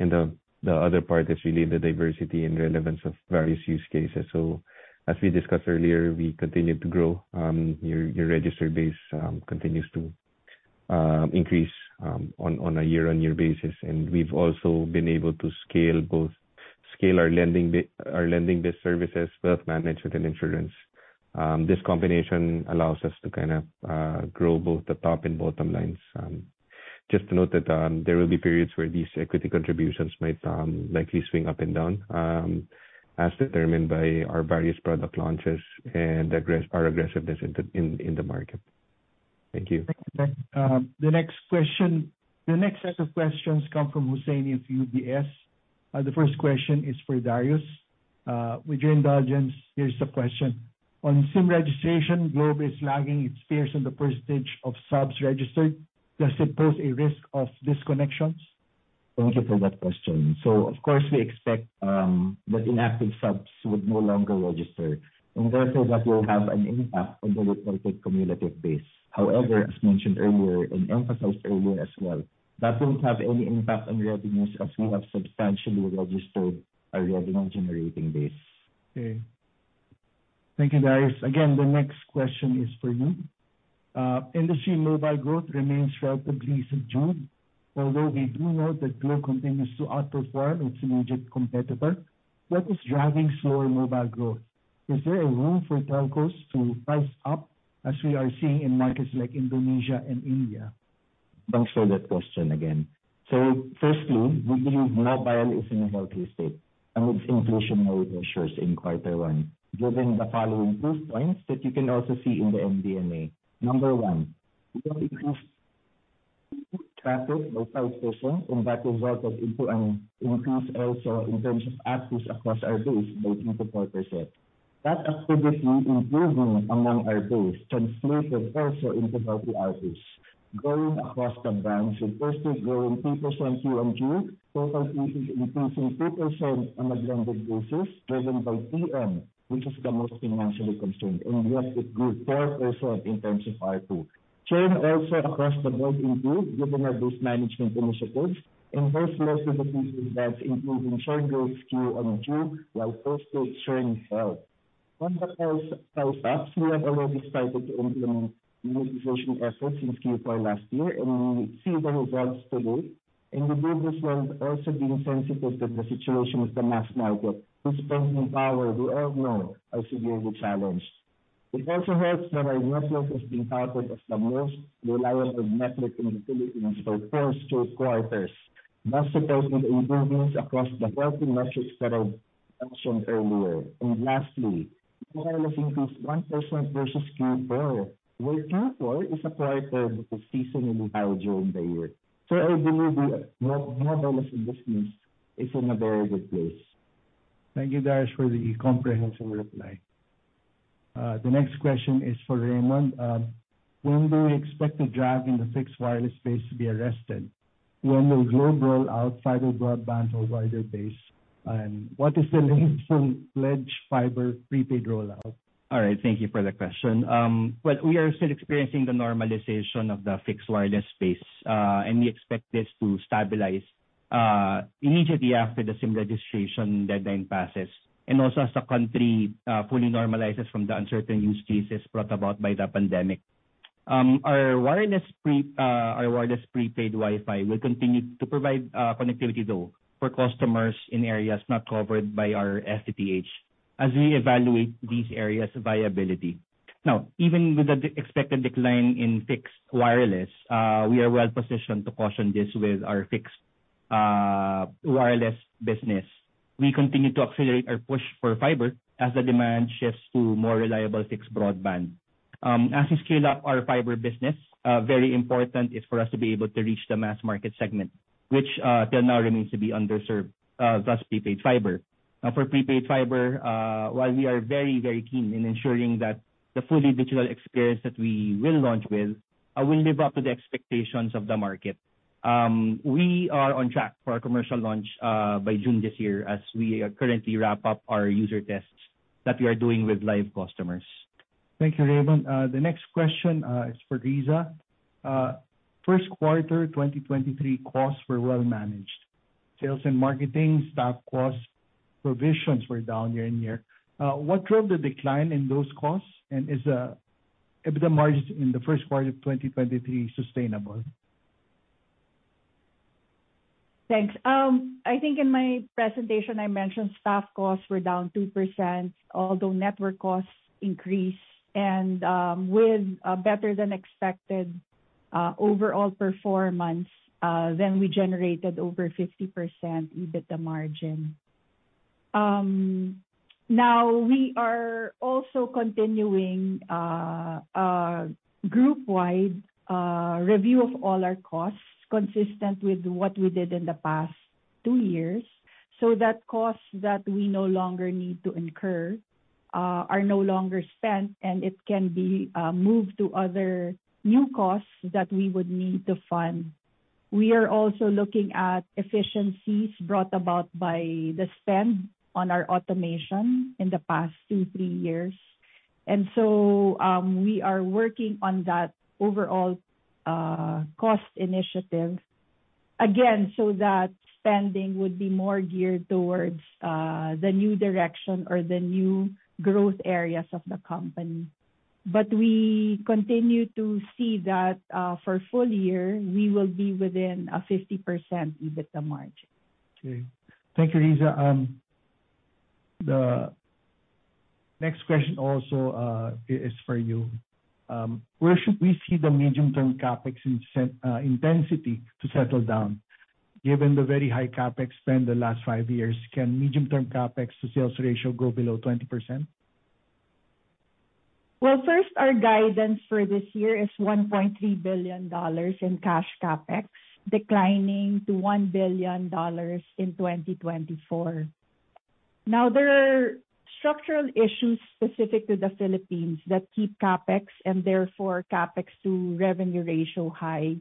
Speaker 5: The other part is really the diversity and relevance of various use cases. As we discussed earlier, we continue to grow. Your registered base continues to increase on a year-on-year basis. We've also been able to scale both our lending-based services, both management and insurance. This combination allows us to kind of grow both the top and bottom lines. Just to note that, there will be periods where these equity contributions might likely swing up and down, as determined by our various product launches and our aggressiveness in the market. Thank you.
Speaker 7: Thank you, Ben. The next set of questions come from Husseini of UBS. The first question is for Darius. With your indulgence, here's the question: On SIM registration, Globe is lagging its peers on the % of subs registered. Does it pose a risk of disconnections?
Speaker 3: Thank you for that question. Of course, we expect that inactive subs would no longer register, and therefore that will have an impact on the reported cumulative base. As mentioned earlier and emphasized earlier as well, that won't have any impact on revenues as we have substantially registered our revenue-generating base.
Speaker 7: Thank you, Darius. The next question is for you. Industry mobile growth remains relatively subdued, although we do note that Globe continues to outperform its immediate competitor. What is driving slower mobile growth? Is there a room for telcos to price up as we are seeing in markets like Indonesia and India?
Speaker 3: Thanks for that question again. Firstly, we believe mobile is in a healthy state, and with inflationary pressures in quarter one, given the following proof points that you can also see in the MD&A. Number one, we got increased traffic by 5%, and that resulted into an increase also in terms of ARPU across our base by 20%. That activity improving among our base translated also into healthy ARPU. Growing across the brands with Postpaid growing 3% QOQ, TotalEasy increasing 2% on a blended basis, driven by TM, which is the most financially constrained. Yes, it grew 4% in terms of R2. Churn also across the board improved given our base management initiatives. Netflix subscriptions, that's improved in churn rates QOQ, while Postpaid churn fell. On the telcos, we have already started to implement monetization efforts since Q4 last year, we see the results today. We build this while also being sensitive to the situation with the mass market, whose spending power we all know are severely challenged. It also helps that our Netflix has been touted as the most reliable network in the Philippines for four straight quarters, thus supporting improvements across the healthy metrics that I've mentioned earlier. Lastly, mobile increased 1% versus Q4, where Q4 is a quarter that is seasonally high during the year. I believe the mobile as a business is in a very good place.
Speaker 7: Thank you, Darius, for the comprehensive reply. The next question is for Raymond. When do we expect the drag in the fixed wireless space to be arrested? When will Globe roll out fiber broadband to a wider base? What is the latest on pledged fiber prepaid rollout?
Speaker 8: All right. Thank you for the question. Well, we are still experiencing the normalization of the fixed wireless space. We expect this to stabilize immediately after the SIM Registration deadline passes and also as the country fully normalizes from the uncertain use cases brought about by the pandemic. Our wireless prepaid Wi-Fi will continue to provide connectivity, though, for customers in areas not covered by our FTTH as we evaluate these areas' viability. Now, even with the expected decline in fixed wireless, we are well positioned to cushion this with our fixed wireless business. We continue to accelerate our push for fiber as the demand shifts to more reliable fixed broadband. As we scale up our fiber business, very important is for us to be able to reach the mass market segment, which till now remains to be underserved, thus prepaid fiber. For prepaid fiber, while we are very, very keen in ensuring that the fully digital experience that we will launch with, will live up to the expectations of the market. We are on track for a commercial launch by June this year as we currently wrap up our user tests that we are doing with live customers.
Speaker 7: Thank you, Raymond. The next question is for Riza. First quarter 2023 costs were well managed. Sales and marketing, staff costs, provisions were down year-over-year. What drove the decline in those costs, and is EBITDA margin in the first quarter of 2023 sustainable?
Speaker 4: Thanks. I think in my presentation I mentioned staff costs were down 2%, although network costs increased. With a better than expected overall performance, then we generated over 50% EBITDA margin. Now, we are also continuing a group-wide review of all our costs, consistent with what we did in the past 2 years. Costs that we no longer need to incur are no longer spent, and it can be moved to other new costs that we would need to fund. We are also looking at efficiencies brought about by the spend on our automation in the past 2, 3 years. We are working on that overall cost initiative. Spending would be more geared towards the new direction or the new growth areas of the company. we continue to see that, for full year, we will be within a 50% EBITDA margin.
Speaker 7: Okay. Thank you, Riza. The next question also, is for you. Where should we see the medium-term CapEx intensity to settle down? Given the very high CapEx spend the last five years, can medium-term CapEx to sales ratio go below 20%?
Speaker 4: Well, first, our guidance for this year is $1.3 billion in cash CapEx, declining to $1 billion in 2024. There are structural issues specific to the Philippines that keep CapEx, and therefore CapEx to revenue ratio high.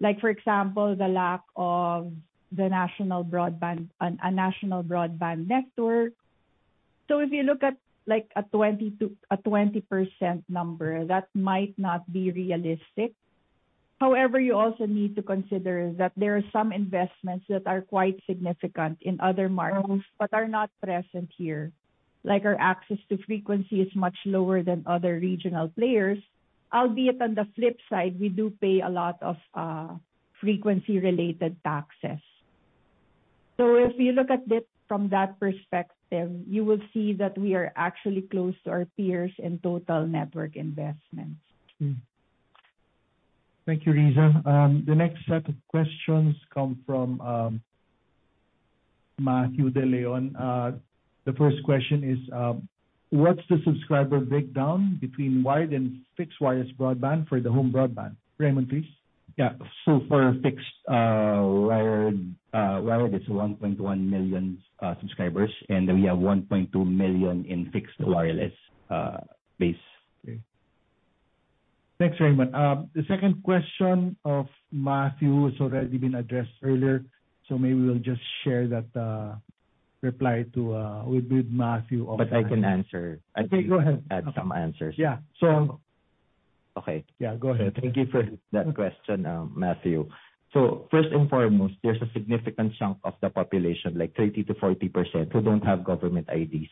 Speaker 4: Like for example, the lack of the national broadband and a national broadband network. If you look at like a 20% number, that might not be realistic. You also need to consider that there are some investments that are quite significant in other markets, but are not present here. Like our access to frequency is much lower than other regional players. Albeit on the flip side, we do pay a lot of frequency-related taxes. If you look at it from that perspective, you will see that we are actually close to our peers in total network investments.
Speaker 7: Thank you, Riza. The next set of questions come from Matthew de Leon. The first question is, what's the subscriber breakdown between wired and fixed wireless broadband for the home broadband? Raymond, please.
Speaker 8: Yeah. For fixed, wired, it's 1.1 million subscribers, and we have 1.2 million in fixed wireless base.
Speaker 7: Okay. Thanks, Raymond. The second question of Matthew has already been addressed earlier. Maybe we'll just share that reply to with Matthew offline.
Speaker 3: I can answer.
Speaker 7: Okay, go ahead.
Speaker 3: Add some answers.
Speaker 7: Yeah.
Speaker 3: Okay.
Speaker 7: Yeah, go ahead.
Speaker 3: Thank you for that question, Matthew. First and foremost, there's a significant chunk of the population, like 30%-40%, who don't have government IDs.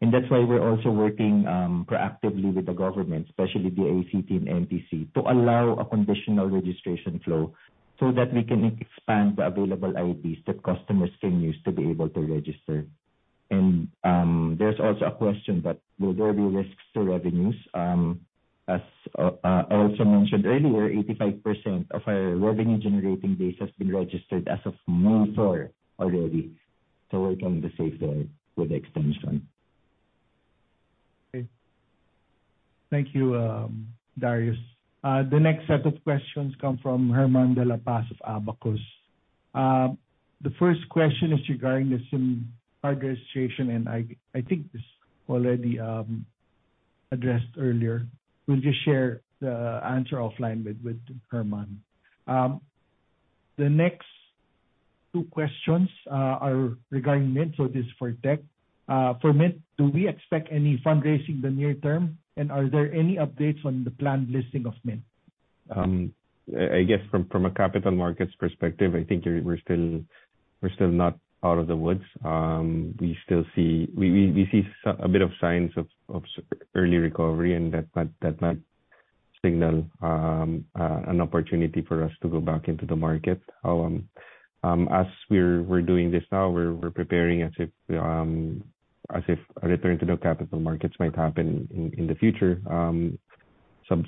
Speaker 3: That's why we're also working proactively with the government, especially the ACT and NTC, to allow a conditional registration flow so that we can expand the available IDs that customers can use to be able to register. There's also a question that will there be risks to revenues. As I also mentioned earlier, 85% of our revenue generating base has been registered as of May 4 already. We're kind of the safe there with the extension.
Speaker 7: Okay. Thank you, Darius. The next set of questions come from Herman Dela Paz of Abacus. The first question is regarding the SIM card registration, and I think this already addressed earlier. We'll just share the answer offline with Herman. The next two questions are regarding Mynt, so it is for Tek. For Mynt, do we expect any fundraising the near term, and are there any updates on the planned listing of Mynt?
Speaker 5: I guess from a capital markets perspective, I think we're still not out of the woods. We see a bit of signs of early recovery and that might signal an opportunity for us to go back into the market. As we're doing this now, we're preparing as if a return to the capital markets might happen in the future,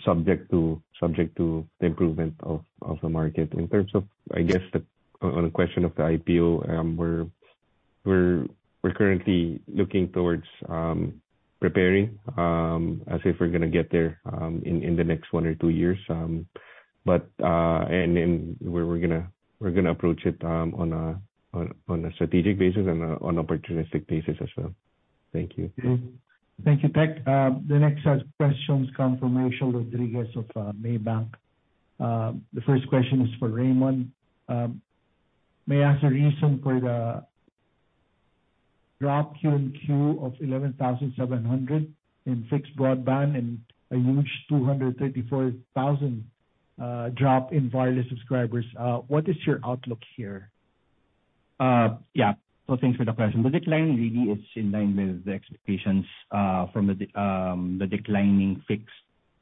Speaker 5: subject to the improvement of the market. In terms of, I guess, on the question of the IPO, we're currently looking towards preparing as if we're gonna get there in the next one or two years. We're gonna approach it, on a strategic basis and on opportunistic basis as well. Thank you.
Speaker 7: Thank you, Tek. The next set of questions come from Michelle Rodriguez of Maybank. The first question is for Raymond. May I ask the reason for the drop Q and Q of 11,700 in fixed broadband and a huge 234,000 drop in wireless subscribers. What is your outlook here?
Speaker 8: Yeah. Thanks for the question. The decline really is in line with the expectations from the declining fixed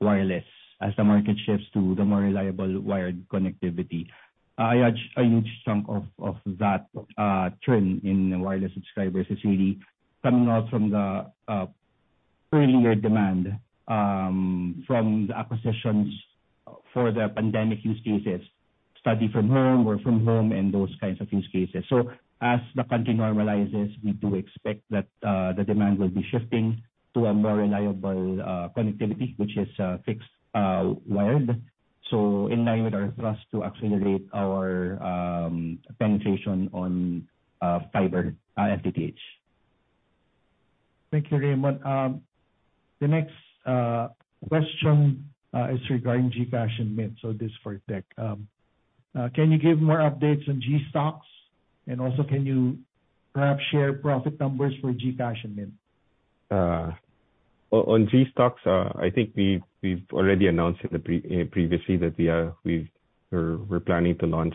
Speaker 8: wireless as the market shifts to the more reliable wired connectivity. A huge chunk of that trend in wireless subscribers is really coming out from the earlier demand from the acquisitions for the pandemic use cases, study from home, work from home, and those kinds of use cases. As the country normalizes, we do expect that the demand will be shifting to a more reliable connectivity, which is fixed wired. In line with our thrust to accelerate our penetration on fiber, FTTH.
Speaker 7: Thank you, Raymond. The next question is regarding GCash and Mynt. This is for Tek. Can you give more updates on GStocks? Also, can you perhaps share profit numbers for GCash and Mynt?
Speaker 5: On GStocks, I think we've already announced previously that we're planning to launch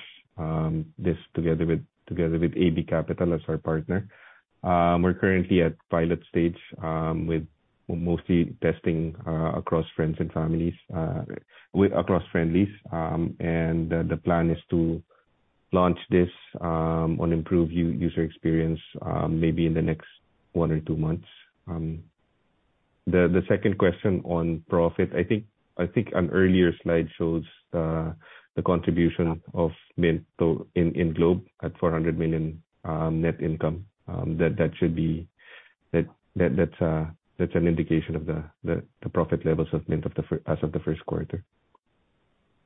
Speaker 5: this together with AB Capital as our partner. We're currently at pilot stage with mostly testing across friends and families, across friendlies. The plan is to launch this on improved user experience maybe in the next 1 or 2 months. The second question on profit, I think an earlier slide shows the contribution of Mynt in Globe at 400 million net income. That's an indication of the profit levels of Mynt as of the first quarter.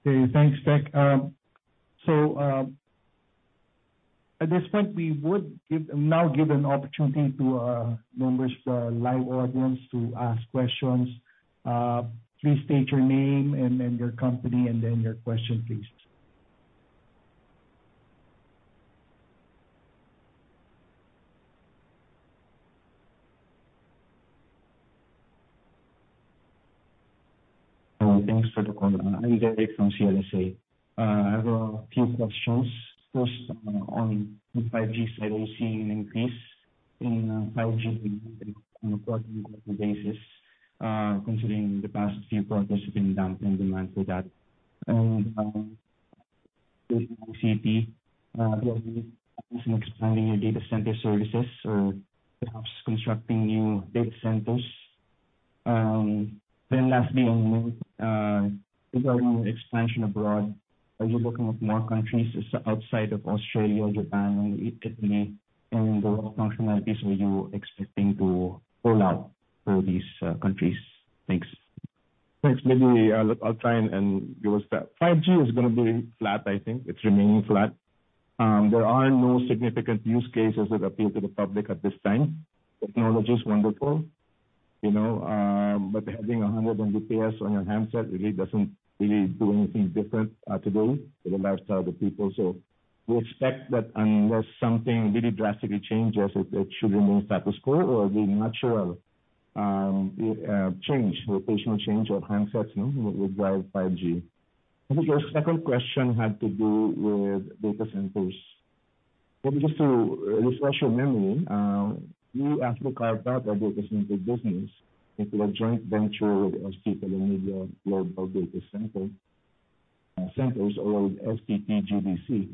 Speaker 7: Okay. Thanks, Tek. At this point, we now give an opportunity to members of our live audience to ask questions. Please state your name and then your company and then your question please.
Speaker 9: Thanks for the call. I'm Gary from CLSA. I have a few questions. First, on the 5G side, are you seeing an increase in 5G on a quarter-over-quarter basis, considering the past few quarters have been down in demand for that? With CP, do you have any plans on expanding your data center services or perhaps constructing new data centers? Lastly on Mynt, regarding expansion abroad, are you looking at more countries outside of Australia, Japan, and Italy? What functionalities are you expecting to roll out for these countries? Thanks.
Speaker 2: Thanks. Maybe I'll try and give a stat. 5G is gonna be flat, I think. It's remaining flat. There are no significant use cases that appeal to the public at this time. Technology is wonderful, you know. Having 100 Mbps on your handset really doesn't really do anything different today for the lifestyle of the people. We expect that unless something really drastically changes, it should remain status quo or the natural change, rotational change of handsets, you know, will drive 5G. I think your second question had to do with data centers. Maybe just to refresh your memory, we actually carved out our data center business into a joint venture with ST Telemedia Global Data Centres centers or STT GDC.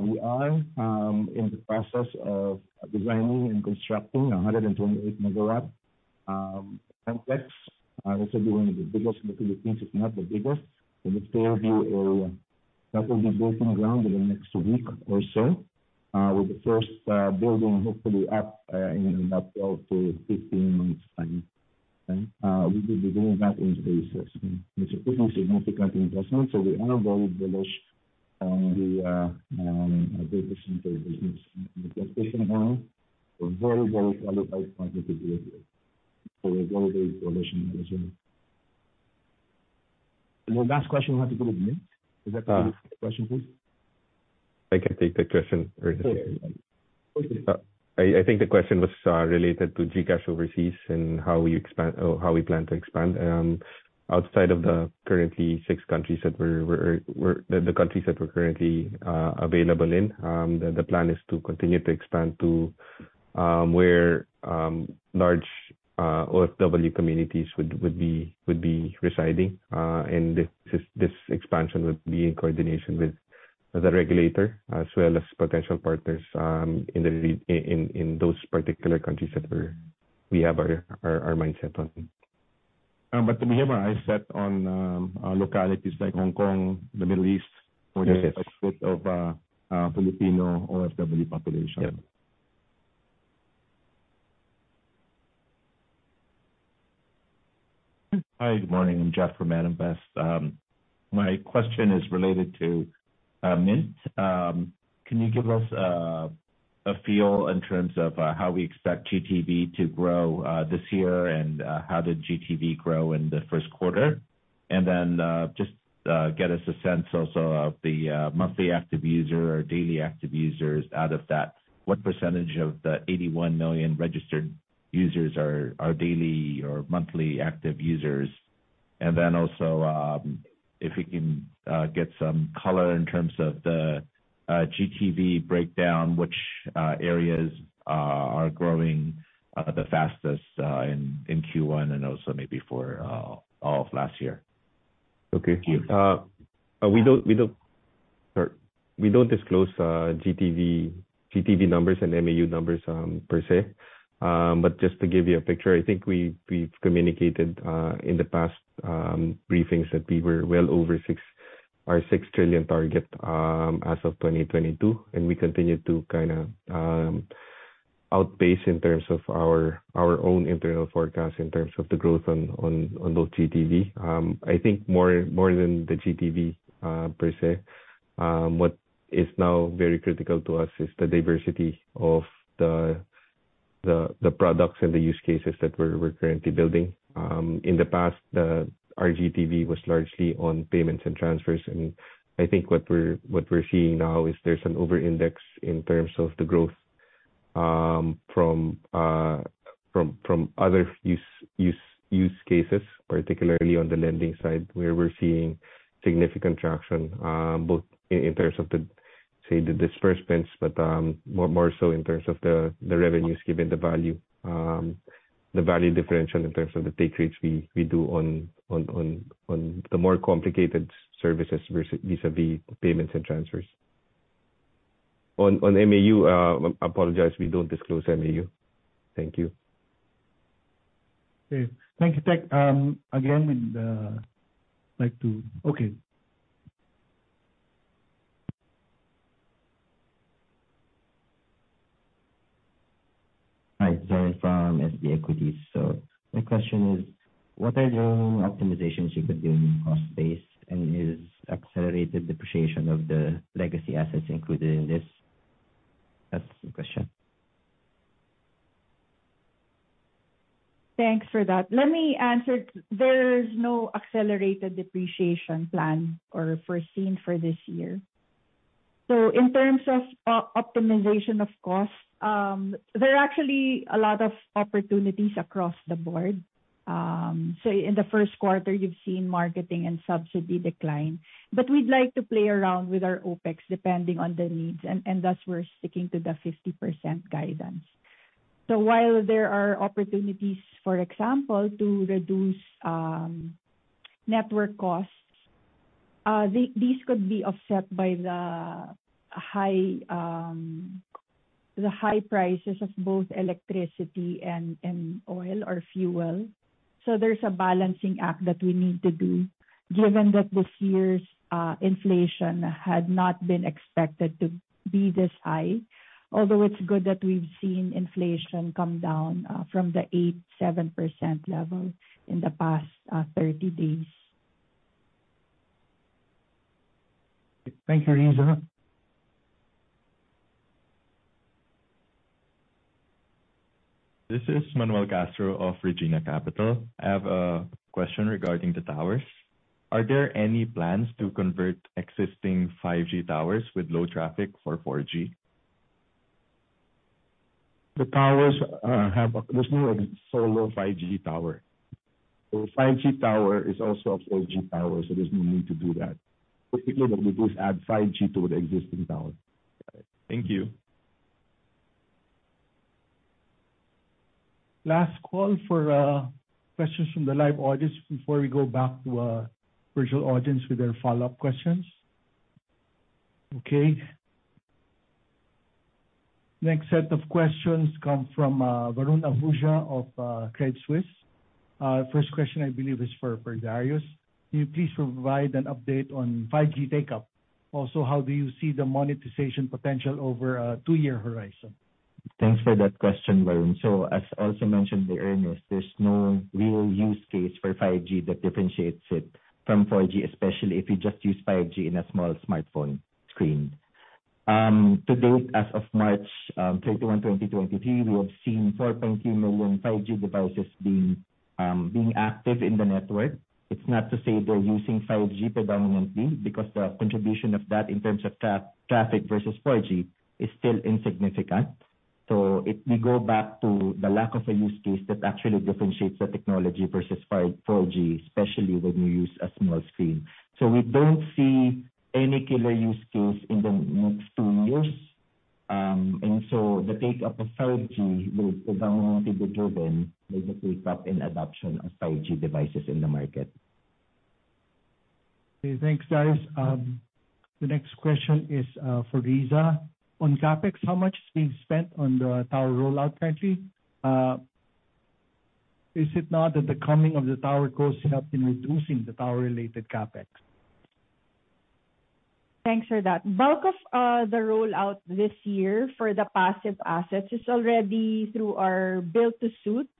Speaker 2: We are in the process of designing and constructing 128 MW complex. This will be one of the biggest in the Philippines, if not the biggest, in the Fairview area. That will be broken ground within the next week or so, with the first building hopefully up in about 12 to 15 months' time. Okay. We will be doing that in phases. It's a pretty significant investment, so we are very bullish on our data center business. With Jet station now, we're very, very qualified to do it. We're very, very bullish on that as well. The last question will have to go to Mynt. Is that the right question, please?
Speaker 5: I can take that question.
Speaker 9: Okay.
Speaker 5: I think the question was related to GCash Overseas and how we expand or how we plan to expand. Outside of the currently 6 countries that the countries that we're currently available in, the plan is to continue to expand to where large OFW communities would be residing. This expansion would be in coordination with the regulator as well as potential partners in those particular countries that we have our mindset on.
Speaker 2: We have our eyes set on localities like Hong Kong, the Middle East.
Speaker 5: Yes.
Speaker 2: Where there's a lot of Filipino OFW population.
Speaker 5: Yeah.
Speaker 10: Hi. Good morning. I'm Jeff from ATR Asset Management. My question is related to Mynt. Can you give us a feel in terms of how we expect GTV to grow this year and how did GTV grow in the first quarter? Just get us a sense also of the monthly active user or daily active users out of that. What percentage of the 81 million registered users are daily or monthly active users? Also, if we can get some color in terms of the GTV breakdown, which areas are growing the fastest in Q1 and also maybe for all of last year.
Speaker 5: Okay.
Speaker 10: Thank you.
Speaker 5: We don't Sorry. We don't disclose GTV numbers and MAU numbers per se. Just to give you a picture, I think we've communicated in the past briefings that we were well over six, our 6 trillion target as of 2022. We continue to kinda outpace in terms of our own internal forecast in terms of the growth on both GTV. I think more than the GTV per se, what is now very critical to us is the diversity of the- The products and the use cases that we're currently building. In the past, the our GTV was largely on payments and transfers. I think what we're seeing now is there's an over-index in terms of the growth from other use cases, particularly on the lending side, where we're seeing significant traction both in terms of the, say, the disbursements, but more so in terms of the revenues given the value, the value differential in terms of the take rates we do on the more complicated services vis-a-vis payments and transfers. On MAU, I apologize, we don't disclose MAU. Thank you.
Speaker 7: Okay. Thank you, Tek. Okay.
Speaker 11: Hi. Jerry from SB Equities. My question is, what are your optimizations you could do in cost base, and is accelerated depreciation of the legacy assets included in this? That's the question.
Speaker 4: Thanks for that. Let me answer. There's no accelerated depreciation plan or foreseen for this year. In terms of optimization of cost, there are actually a lot of opportunities across the board. In the first quarter, you've seen marketing and subsidy decline. We'd like to play around with our OpEx depending on the needs. Thus, we're sticking to the 50% guidance. While there are opportunities, for example, to reduce network costs, these could be offset by the high prices of both electricity and oil or fuel. There's a balancing act that we need to do, given that this year's inflation had not been expected to be this high. Although it's good that we've seen inflation come down from the 8.7% level in the past 30 days.
Speaker 7: Thank you, Riza.
Speaker 12: This is Manuel Castro of Regina Capital. I have a question regarding the towers. Are there any plans to convert existing 5G towers with low traffic for 4G?
Speaker 2: The towers, there's no solo 5G tower. 5G tower is also a 4G tower, so there's no need to do that. Basically what we do is add 5G to the existing tower.
Speaker 12: Got it. Thank you.
Speaker 7: Last call for questions from the live audience before we go back to our virtual audience with their follow-up questions. Okay. Next set of questions come from Varun Ahuja of Credit Suisse. First question, I believe is for Darius. Can you please provide an update on 5G take-up? How do you see the monetization potential over a two-year horizon?
Speaker 3: Thanks for that question, Varun. As also mentioned by Ernest, there's no real use case for 5G that differentiates it from 4G, especially if you just use 5G in a small smartphone screen. To date, as of March 21, 2023, we have seen 4.2 million 5G devices being active in the network. It's not to say they're using 5G predominantly because the contribution of that in terms of traffic versus 4G is still insignificant. It may go back to the lack of a use case that actually differentiates the technology versus 4G, especially when you use a small screen. We don't see any killer use case in the next two years. The take-up of 5G will predominantly be driven by the take-up and adoption of 5G devices in the market.
Speaker 7: Okay. Thanks, Darius. The next question is for Riza. On CapEx, how much is being spent on the tower rollout currently? Is it not that the coming of the tower costs have been reducing the tower-related CapEx?
Speaker 4: Thanks for that. Bulk of the rollout this year for the passive assets is already through our build-to-suit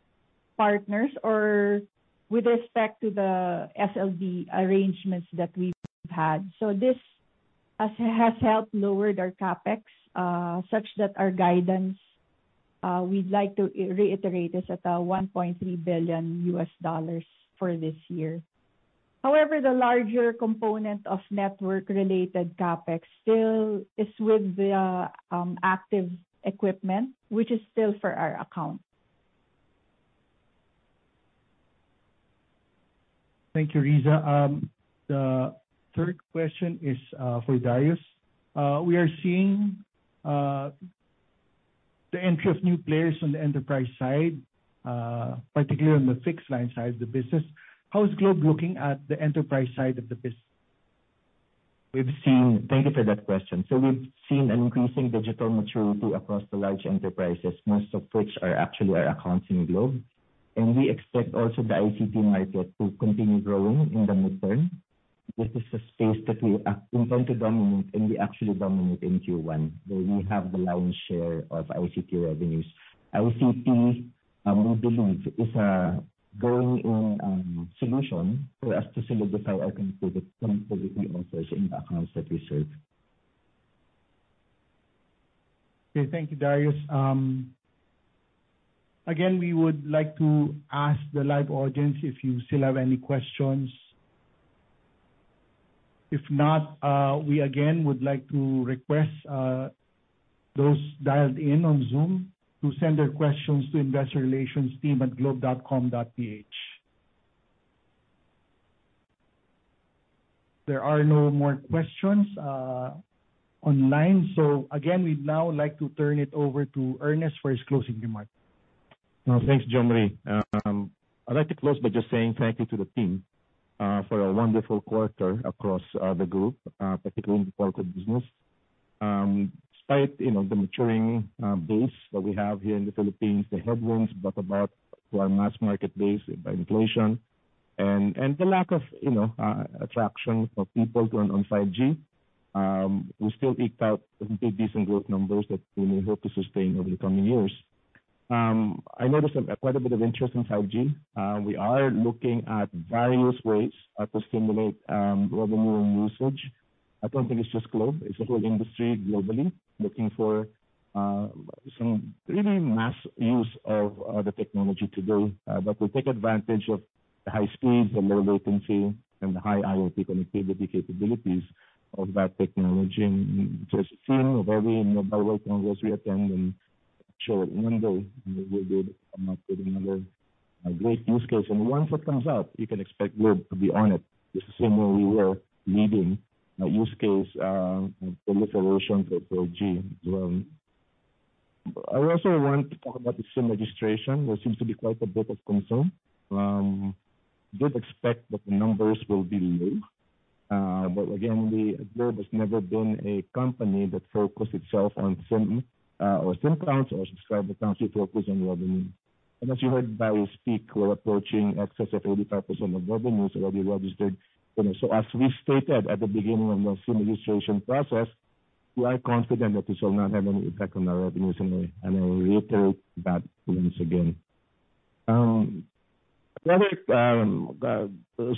Speaker 4: partners or with respect to the SLD arrangements that we've had. This has helped lowered our CapEx such that our guidance, we'd like to reiterate, is at $1.3 billion for this year. However, the larger component of network-related CapEx still is with the active equipment, which is still for our account.
Speaker 7: Thank you, Riza. The third question is for Darius. We are seeing the entry of new players on the enterprise side, particularly on the fixed line side of the business. How is Globe looking at the enterprise side of the bus-
Speaker 3: Thank you for that question. We've seen an increasing digital maturity across the large enterprises, most of which are actually our accounts in Globe. We expect also the ICT market to continue growing in the midterm. This is a space that we intend to dominate, and we actually dominate in Q1, where we have the lion's share of ICT revenues. ICT, we believe, is a growing solution for us to solidify our competitive advantage in the accounts that we serve.
Speaker 7: Thank you, Darius. Again, we would like to ask the live audience if you still have any questions. If not, we again would like to request those dialed in on Zoom to send their questions to investorrelationsteam@globe.com.ph. There are no more questions online. Again, we'd now like to turn it over to Ernest for his closing remarks.
Speaker 2: Thanks, Jamari. I'd like to close by just saying thank you to the team for a wonderful quarter across the group, particularly in the corporate business. Despite, you know, the maturing base that we have here in the Philippines, the headwinds brought about to our mass market base by inflation and the lack of, you know, attraction of people on 5G, we still eked out pretty decent growth numbers that we may hope to sustain over the coming years. I noticed quite a bit of interest in 5G. We are looking at various ways to stimulate revenue and usage. I don't think it's just Globe. It's the whole industry globally looking for some really mass use of the technology today. We take advantage of the high speeds, the low latency, and the high IoT connectivity capabilities of that technology. Just seeing every mobile phone booth we attend and show it one day, and we did come up with another great use case. Once it comes out, you can expect Globe to be on it, just the same way we were leading a use case proliferation for 4G as well. I also want to talk about the SIM registration. There seems to be quite a bit of concern. Did expect that the numbers will be low. Again, Globe has never been a company that focused itself on SIM, or SIM cards or subscriber counts. We focus on revenue. As you heard Barry speak, we're approaching excess of 80% of mobile users already registered. You know, as we stated at the beginning of the SIM Registration process, we are confident that this will not have any effect on our revenues, and I reiterate that once again. Another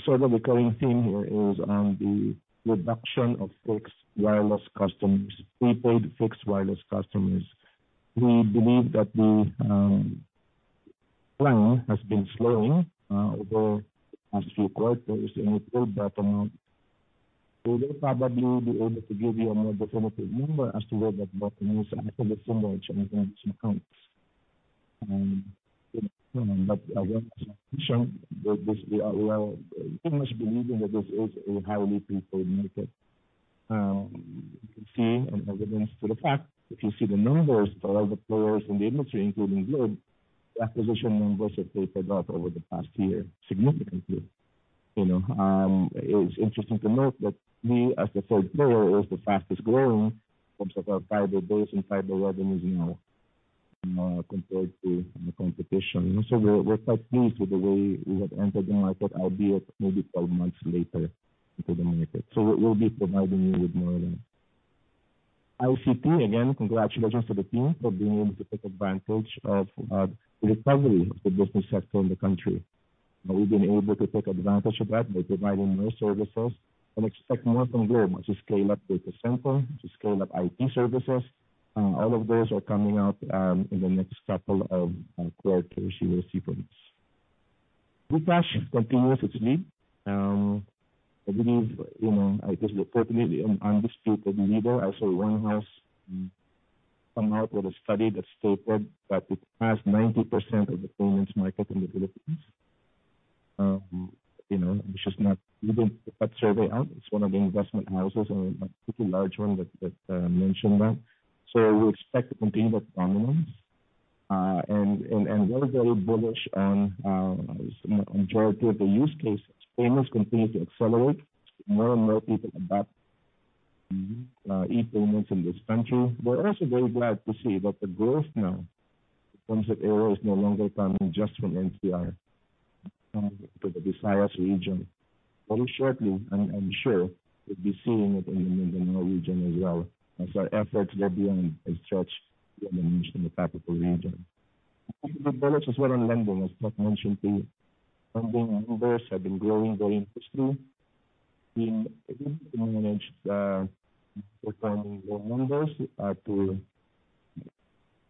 Speaker 2: sort of recurring theme here is on the reduction of fixed wireless customers, prepaid fixed wireless customers. We believe that the plan has been slowing over the past few quarters, and we've heard that amount. We will probably be able to give you another definitive number as to where that bottom is. I think it's similar to mobile phone accounts, you know. I want to mention that this, we are pretty much believing that this is a highly prepaid market. You can see an evidence to the fact, if you see the numbers for all the players in the industry, including Globe, the acquisition numbers have tapered off over the past year significantly, you know. It's interesting to note that we, as the third player, is the fastest growing in terms of our fiber base and fiber revenues now, compared to the competition. We're quite pleased with the way we have entered the market, albeit maybe 12 months later into the market. We'll be providing you with more of that. ICT, again, congratulations to the team for being able to take advantage of the recovery of the business sector in the country. We've been able to take advantage of that by providing more services and expect more from Globe to scale up data center, to scale up IT services. All of those are coming out in the next couple of quarters you will see from us. GCash continues its lead. I believe, you know, I guess reportedly the undisputed leader. I saw one house come out with a study that stated that it has 90% of the payments market in the Philippines. You know, We didn't put that survey out. It's one of the investment houses and a pretty large one that mentioned that. We expect to continue that prominence and we're very bullish on, you know, majority of the use cases. Payments continue to accelerate. More and more people adopt e-payments in this country. We're also very glad to see that the growth now in terms of AOA is no longer coming just from NCR, but the Visayas region. Very shortly, I'm sure we'll be seeing it in the Mindanao region as well as our efforts there being stretched, as I mentioned, in the Pacific region. We've developed as well in lending, as Mike mentioned to you. Lending numbers have been growing very nicely. We've been able to manage our lending loan numbers up to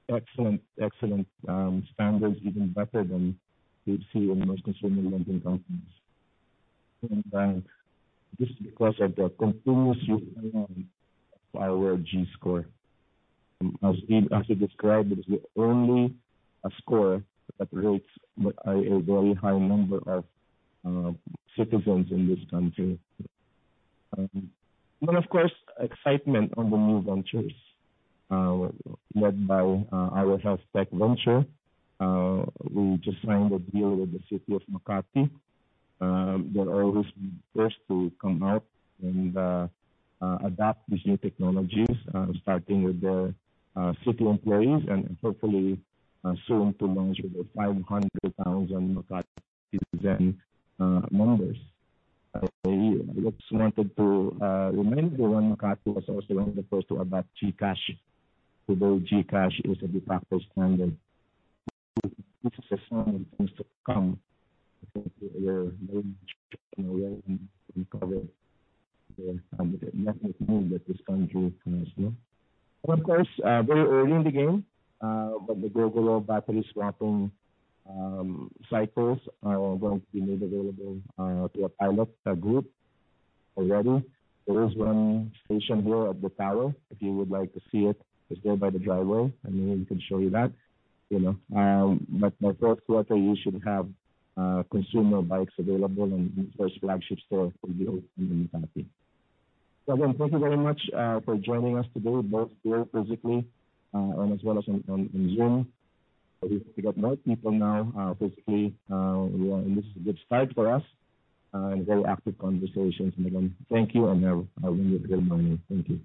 Speaker 2: excellent standards, even better than you'd see in most consumer lending companies and banks. This is because of the continuous improvement of our GScore. As Dean actually described, it is the only score that rates a very high number of citizens in this country. Of course, excitement on the new ventures led by our health tech venture. We just signed a deal with the City of Makati. They're always the first to come out and adapt these new technologies, starting with their city employees and hopefully soon to launch with the 500,000 Makati citizen members a year. We also wanted to remind everyone Makati was also one of the first to adopt GCash. GCash is a de facto standard. This is a sign of things to come. I think we are very recover the economic boom that this country can as well. Of course, very early in the game, but the Gogoro battery swapping cycles are going to be made available to a pilot group already. There is one station here at Doroteo Jose. If you would like to see it, just go by the driveway, and we can show you that, you know. My fourth quarter, you should have consumer bikes available in the first flagship store will be open in Makati. Again, thank you very much for joining us today, both here physically, and as well as on Zoom. We've got more people now physically who are in this good fight for us, and very active conversations. Again, thank you, and have a really good morning. Thank you.